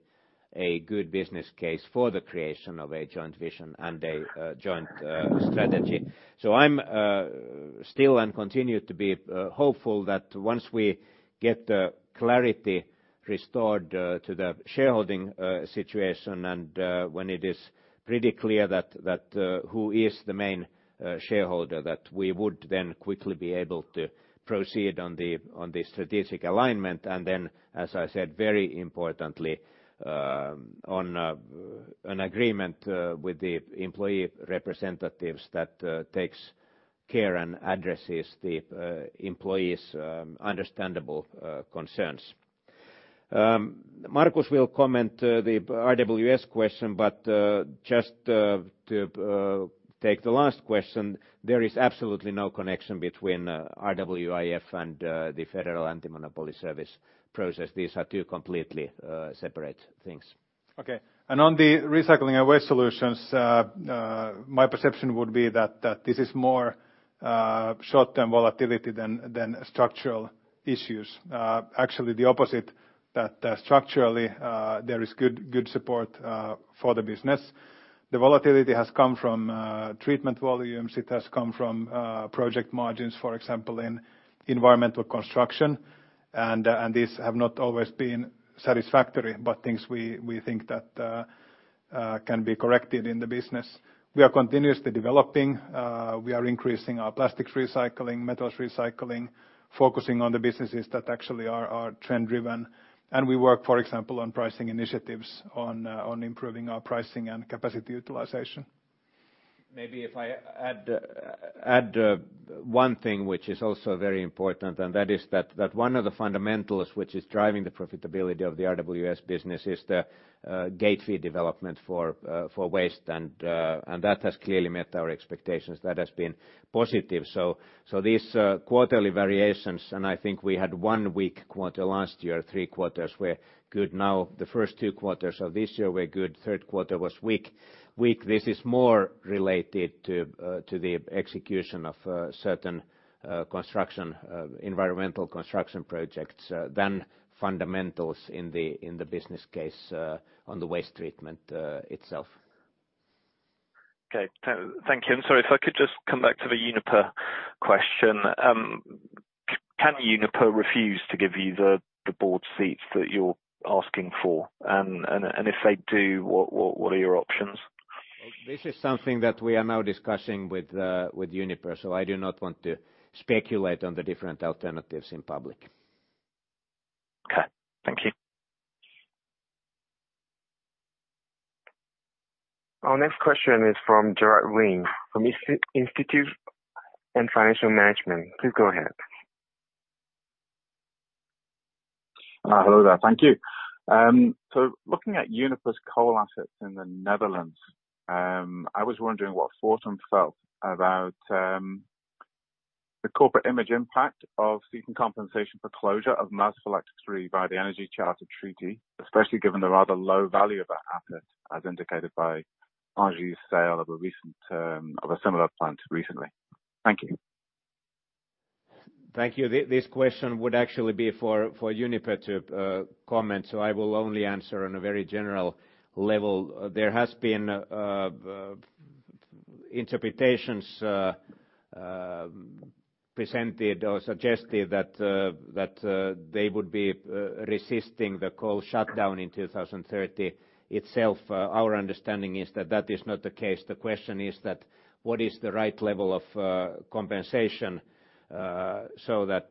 good business case for the creation of a joint vision and a joint strategy. I'm still and continue to be hopeful that once we get the clarity restored to the shareholding situation and when it is pretty clear who is the main shareholder, that we would then quickly be able to proceed on the strategic alignment. Then, as I said, very importantly on an agreement with the employee representatives that takes care and addresses the employees' understandable concerns. Markus will comment the RWS question, but just to take the last question, there is absolutely no connection between RWS and the Federal Antimonopoly Service process. These are two completely separate things. Okay. On the Recycling and Waste Solutions, my perception would be that this is more short-term volatility than structural issues. Actually the opposite, that structurally, there is good support for the business. The volatility has come from treatment volumes. It has come from project margins, for example, in environmental construction, and these have not always been satisfactory, but things we think that can be corrected in the business. We are continuously developing. We are increasing our plastics recycling, metals recycling, focusing on the businesses that actually are trend-driven. We work, for example, on pricing initiatives, on improving our pricing and capacity utilization. Maybe if I add one thing which is also very important, and that is that one of the fundamentals which is driving the profitability of the RWS business is the gate fee development for waste and that has clearly met our expectations. That has been positive. These quarterly variations, and I think we had one weak quarter last year, three quarters were good. Now, the first two quarters of this year were good. Third quarter was weak. This is more related to the execution of certain environmental construction projects than fundamentals in the business case on the waste treatment itself. Okay. Thank you. I'm sorry. If I could just come back to the Uniper question. Can Uniper refuse to give you the board seats that you're asking for? If they do, what are your options? This is something that we are now discussing with Uniper, so I do not want to speculate on the different alternatives in public. Okay. Thank you. Our next question is from Gerard Rigney from Institute and Financial Management. Please go ahead. Hello there. Thank you. Looking at Uniper's coal assets in the Netherlands, I was wondering what Fortum felt about the corporate image impact of seeking compensation for closure of Maasvlakte 3 by the Energy Charter Treaty, especially given the rather low value of that asset as indicated by Engie's sale of a similar plant recently. Thank you. Thank you. This question would actually be for Uniper to comment. I will only answer on a very general level. There has been interpretations presented or suggested that they would be resisting the coal shutdown in 2030 itself. Our understanding is that that is not the case. The question is that what is the right level of compensation so that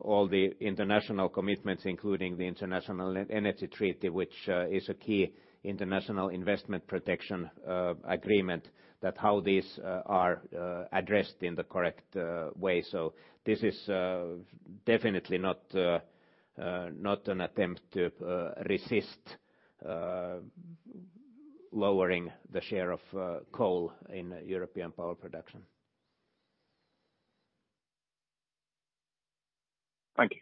all the international commitments, including the Energy Charter Treaty, which is a key international investment protection agreement, that how these are addressed in the correct way. This is definitely not an attempt to resist lowering the share of coal in European power production. Thank you.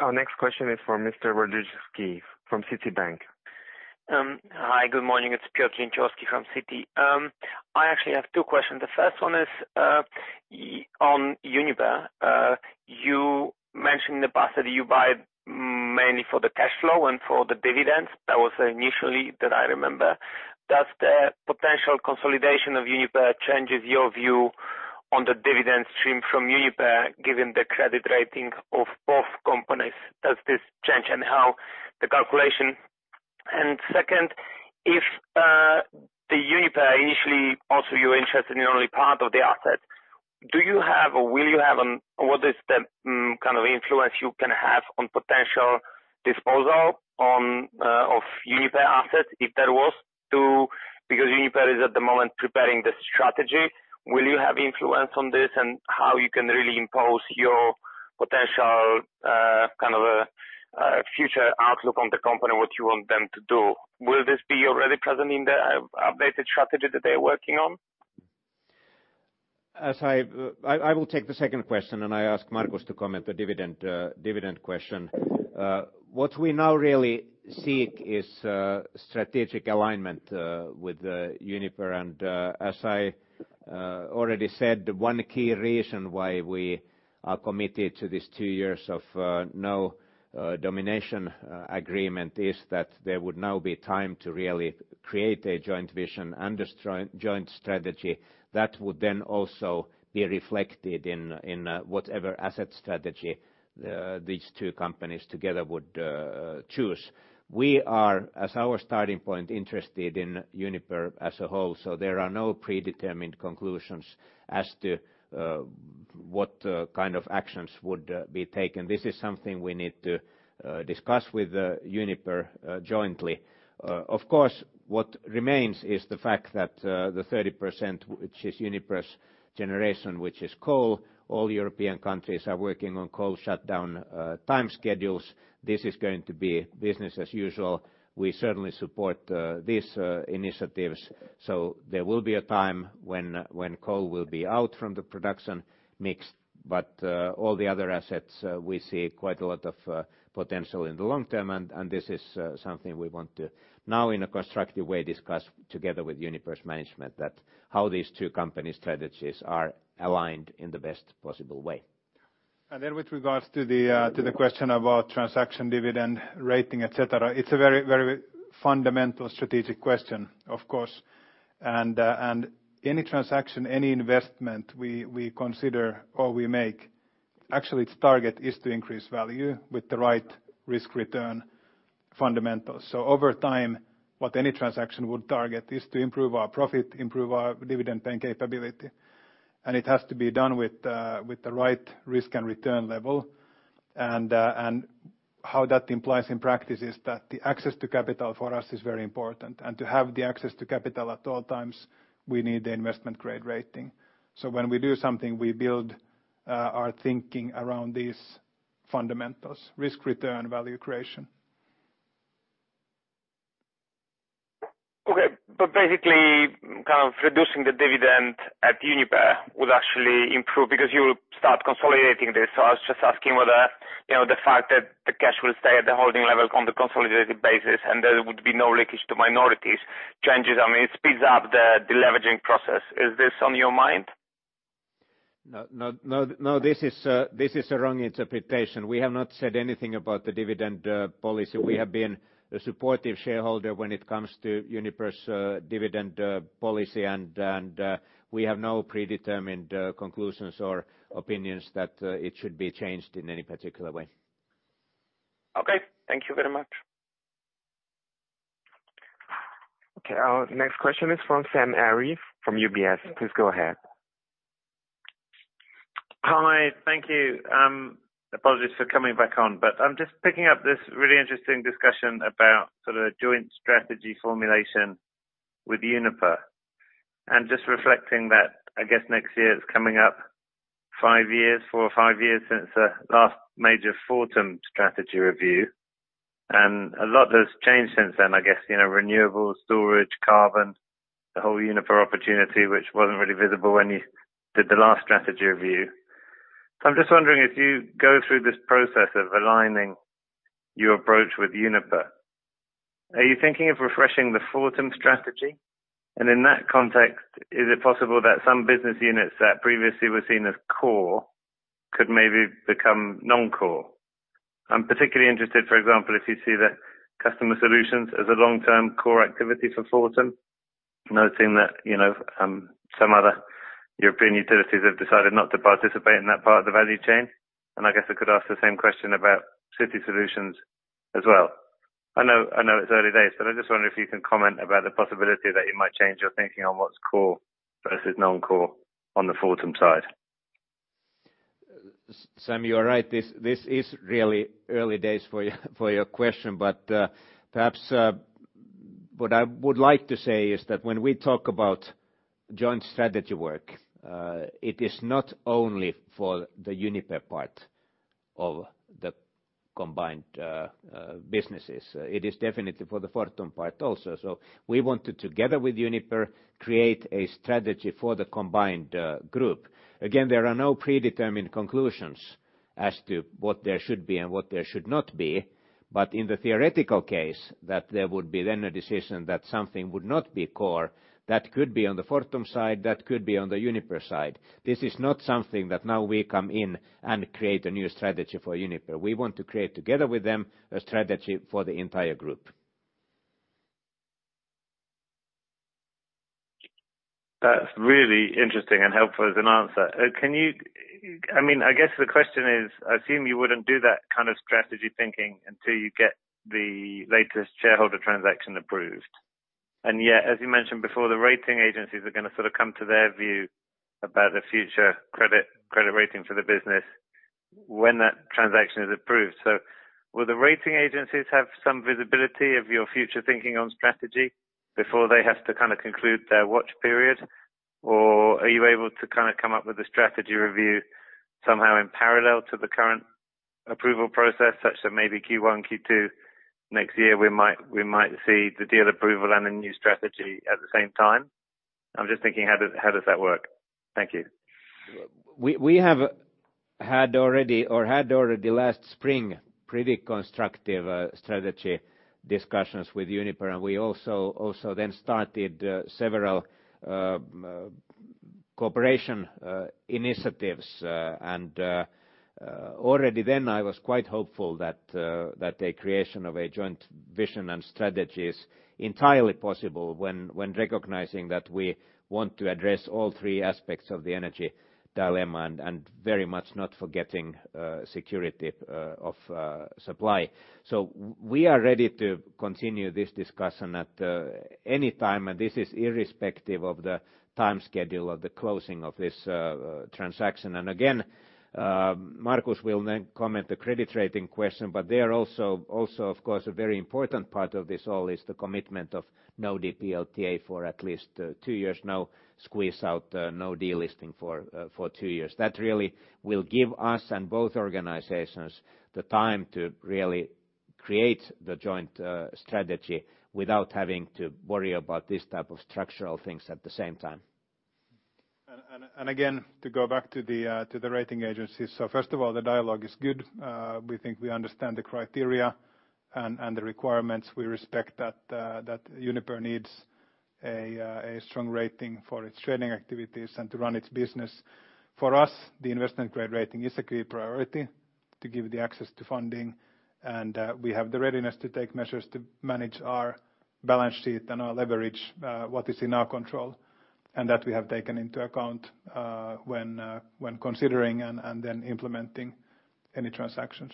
Our next question is from s Piotr Dzieciolowski from Citibank. Hi, good morning. It's Piotr Dzieciolowski from Citi. I actually have two questions. The first one is on Uniper. You mentioned in the past that you buy mainly for the cash flow and for the dividends. That was initially that I remember. Does the potential consolidation of Uniper changes your view on the dividend stream from Uniper, given the credit rating of both companies? Does this change and how the calculation? Second, if the Uniper initially also you're interested in only part of the assets. What is the kind of influence you can have on potential disposal of Uniper assets if there was to, because Uniper is at the moment preparing the strategy. Will you have influence on this and how you can really impose your potential, kind of a future outlook on the company, what you want them to do? Will this be already present in the updated strategy that they're working on? I will take the second question. I ask Markus to comment the dividend question. What we now really seek is strategic alignment with Uniper. As I already said, one key reason why we are committed to these two years of no domination agreement is that there would now be time to really create a joint vision and a joint strategy that would then also be reflected in whatever asset strategy these two companies together would choose. We are, as our starting point, interested in Uniper as a whole. There are no predetermined conclusions as to what kind of actions would be taken. This is something we need to discuss with Uniper jointly. Of course, what remains is the fact that the 30%, which is Uniper's generation, which is coal, all European countries are working on coal shutdown time schedules. This is going to be business as usual. We certainly support these initiatives. There will be a time when coal will be out from the production mix, but all the other assets we see quite a lot of potential in the long term. This is something we want to now in a constructive way, discuss together with Uniper's management that how these two company strategies are aligned in the best possible way. Then with regards to the question about transaction dividend rating, et cetera, it's a very, very fundamental strategic question, of course. Any transaction, any investment we consider or we make, actually its target is to increase value with the right risk return fundamentals. Over time, what any transaction would target is to improve our profit, improve our dividend paying capability, and it has to be done with the right risk and return level. How that implies in practice is that the access to capital for us is very important. To have the access to capital at all times, we need the investment grade rating. When we do something, we build our thinking around these fundamentals, risk return, value creation. Okay. Basically, kind of reducing the dividend at Uniper would actually improve because you will start consolidating this. I was just asking whether the fact that the cash will stay at the holding level on the consolidated basis and there would be no leakage to minorities changes. I mean, it speeds up the deleveraging process. Is this on your mind? This is a wrong interpretation. We have not said anything about the dividend policy. We have been a supportive shareholder when it comes to Uniper's dividend policy, and we have no predetermined conclusions or opinions that it should be changed in any particular way. Okay. Thank you very much. Okay, our next question is from Sam Arie from UBS. Please go ahead. Hi. Thank you. Apologies for coming back on, I'm just picking up this really interesting discussion about sort of joint strategy formulation with Uniper. Just reflecting that, I guess next year it's coming up four or five years since the last major Fortum strategy review, and a lot has changed since then, I guess renewable storage, carbon, the whole Uniper opportunity, which wasn't really visible when you did the last strategy review. I'm just wondering if you go through this process of aligning your approach with Uniper, are you thinking of refreshing the Fortum strategy? In that context, is it possible that some business units that previously were seen as core could maybe become non-core? I'm particularly interested, for example, if you see that Consumer Solutions as a long-term core activity for Fortum, noting that some other European utilities have decided not to participate in that part of the value chain. I guess I could ask the same question about City Solutions as well. I know it's early days, but I just wonder if you can comment about the possibility that you might change your thinking on what's core versus non-core on the Fortum side. Sam, you are right. This is really early days for your question. Perhaps what I would like to say is that when we talk about joint strategy work, it is not only for the Uniper part of the combined businesses. It is definitely for the Fortum part also. We want to, together with Uniper, create a strategy for the combined group. Again, there are no predetermined conclusions as to what there should be and what there should not be. In the theoretical case that there would be then a decision that something would not be core, that could be on the Fortum side, that could be on the Uniper side. This is not something that now we come in and create a new strategy for Uniper. We want to create together with them a strategy for the entire group. That's really interesting and helpful as an answer. I guess the question is, I assume you wouldn't do that kind of strategy thinking until you get the latest shareholder transaction approved. Yet, as you mentioned before, the rating agencies are going to sort of come to their view about the future credit rating for the business when that transaction is approved. Will the rating agencies have some visibility of your future thinking on strategy before they have to kind of conclude their watch period? Are you able to kind of come up with a strategy review somehow in parallel to the current approval process, such that maybe Q1, Q2 next year, we might see the deal approval and the new strategy at the same time? I'm just thinking, how does that work? Thank you. We had already last spring, pretty constructive strategy discussions with Uniper, and we also then started several cooperation initiatives. Already then I was quite hopeful that a creation of a joint vision and strategy is entirely possible when recognizing that we want to address all three aspects of the energy trilemma and very much not forgetting security of supply. We are ready to continue this discussion at any time, and this is irrespective of the time schedule of the closing of this transaction. Again, Markus will then comment the credit rating question, but there also, of course, a very important part of this all is the commitment of no DPLTA for at least two years, no squeeze-out, no delisting for two years. That really will give us and both organizations the time to really create the joint strategy without having to worry about this type of structural things at the same time. Again, to go back to the rating agencies. First of all, the dialogue is good. We think we understand the criteria and the requirements. We respect that Uniper needs a strong rating for its trading activities and to run its business. For us, the investment grade rating is a key priority to give the access to funding, and we have the readiness to take measures to manage our balance sheet and our leverage, what is in our control, and that we have taken into account when considering and then implementing any transactions.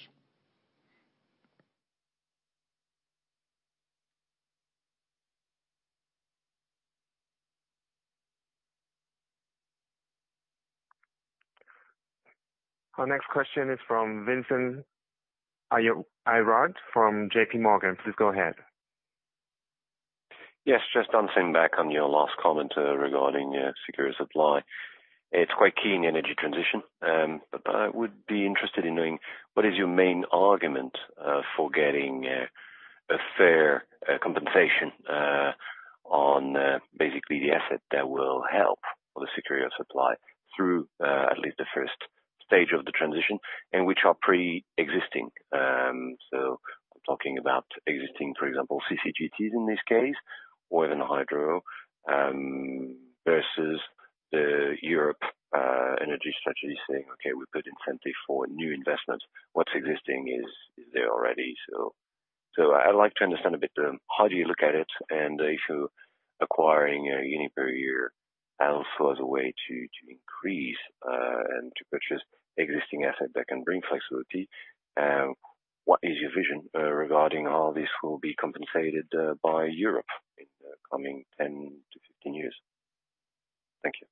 Our next question is from Vincent Ayral from JP Morgan. Please go ahead. Yes. Just bouncing back on your last comment regarding secure supply. It is quite key in energy transition. I would be interested in knowing what is your main argument for getting a fair compensation on basically the asset that will help the security of supply through at least the first stage of the transition and which are preexisting. I am talking about existing, for example, CCGTs in this case or even hydro, versus the Europe energy strategy saying, "Okay, we put incentive for new investment. What is existing is there already." I would like to understand a bit how do you look at it and if acquiring Uniper here also as a way to increase and to purchase existing asset that can bring flexibility, what is your vision regarding how this will be compensated by Europe in the coming 10-15 years? Thank you.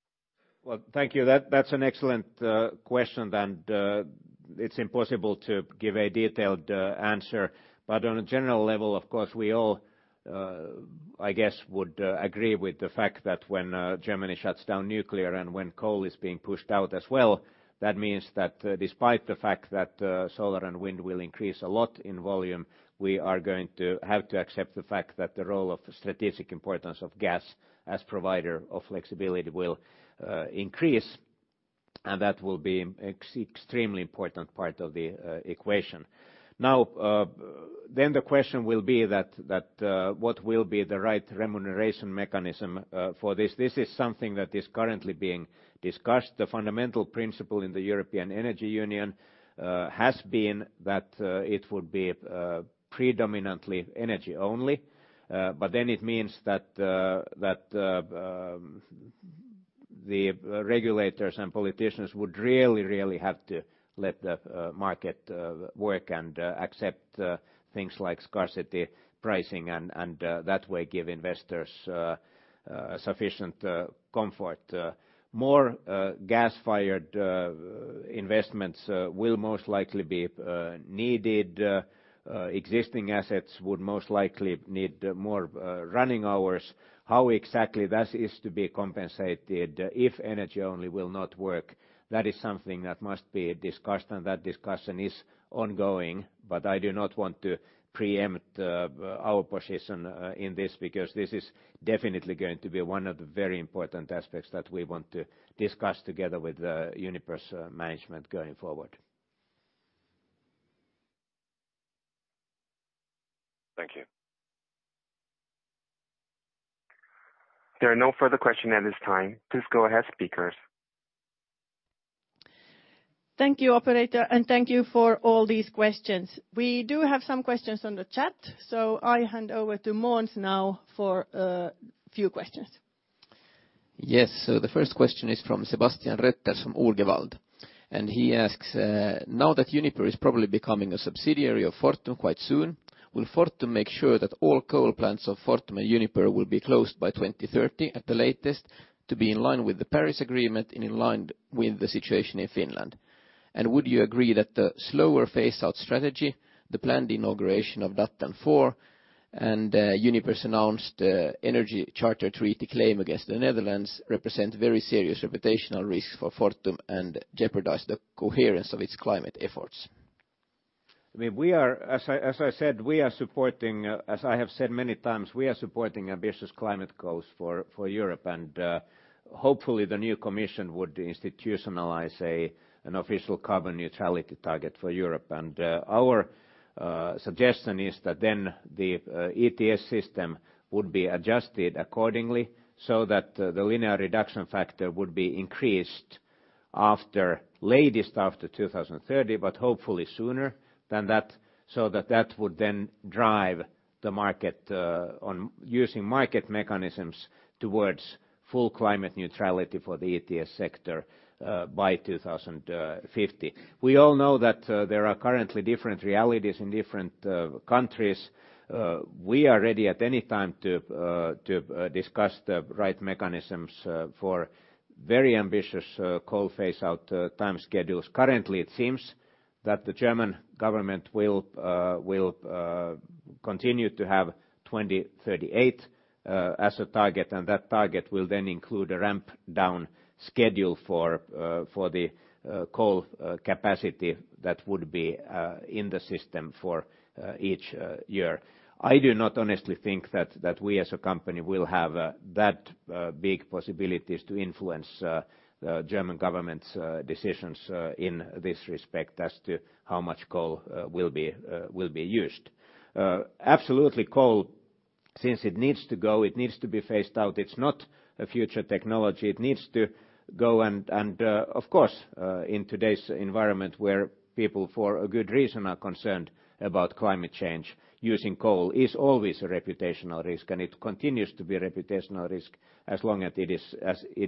Well, thank you. That's an excellent question, and it's impossible to give a detailed answer. On a general level, of course, we all, I guess would agree with the fact that when Germany shuts down nuclear and when coal is being pushed out as well, that means that despite the fact that solar and wind will increase a lot in volume, we are going to have to accept the fact that the role of strategic importance of gas as provider of flexibility will increase, and that will be extremely important part of the equation. The question will be that what will be the right remuneration mechanism for this? This is something that is currently being discussed. The fundamental principle in the European Energy Union has been that it would be predominantly energy-only, but then it means that the regulators and politicians would really, really have to let the market work and accept things like scarcity pricing and that way give investors sufficient comfort. More gas-fired investments will most likely be needed. Existing assets would most likely need more running hours. How exactly that is to be compensated if energy-only will not work, that is something that must be discussed and that discussion is ongoing. I do not want to preempt our position in this because this is definitely going to be one of the very important aspects that we want to discuss together with Uniper’s management going forward. Thank you. There are no further questions at this time. Please go ahead, speakers. Thank you, operator, and thank you for all these questions. We do have some questions on the chat, so I hand over to Måns now for a few questions. Yes. The first question is from Sebastian Rötters from Urgewald. He asks, now that Uniper is probably becoming a subsidiary of Fortum quite soon, will Fortum make sure that all coal plants of Fortum and Uniper will be closed by 2030 at the latest to be in line with the Paris Agreement and in line with the situation in Finland? Would you agree that the slower phase out strategy, the planned inauguration of Datteln 4, and Uniper's announced Energy Charter Treaty claim against the Netherlands represent very serious reputational risk for Fortum and jeopardize the coherence of its climate efforts? As I have said many times, we are supporting ambitious climate goals for Europe, and hopefully the new commission would institutionalize an official carbon neutrality target for Europe. Our suggestion is that then the ETS system would be adjusted accordingly so that the Linear Reduction Factor would be increased latest after 2030, but hopefully sooner than that, so that that would then drive the market on using market mechanisms towards full climate neutrality for the ETS sector by 2050. We all know that there are currently different realities in different countries. We are ready at any time to discuss the right mechanisms for very ambitious coal phase-out time schedules. Currently, it seems that the German government will continue to have 2038 as a target, and that target will then include a ramp down schedule for the coal capacity that would be in the system for each year. I do not honestly think that we as a company will have that big possibilities to influence the German government's decisions in this respect as to how much coal will be used. Absolutely, coal, since it needs to go, it needs to be phased out. It's not a future technology. It needs to go, and of course, in today's environment where people, for a good reason, are concerned about climate change, using coal is always a reputational risk, and it continues to be a reputational risk as long as it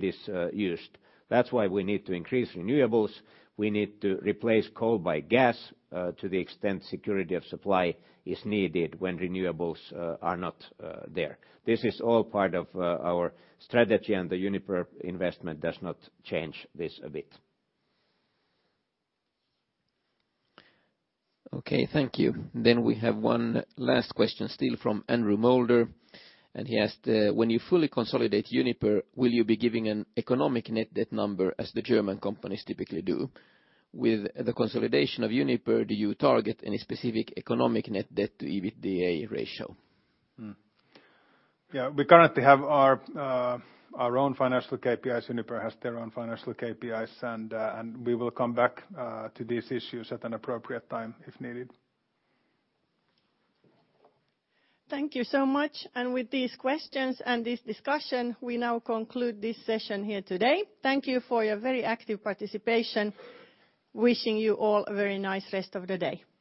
is used. That's why we need to increase renewables. We need to replace coal by gas to the extent security of supply is needed when renewables are not there. This is all part of our strategy, and the Uniper investment does not change this a bit. Okay, thank you. We have one last question, still from Andrew Moulder, and he asked, when you fully consolidate Uniper, will you be giving an economic net debt number as the German companies typically do? With the consolidation of Uniper, do you target any specific economic net debt to EBITDA ratio? Yeah, we currently have our own financial KPIs. Uniper has their own financial KPIs, and we will come back to these issues at an appropriate time if needed. Thank you so much. With these questions and this discussion, we now conclude this session here today. Thank you for your very active participation. Wishing you all a very nice rest of the day. Thank you.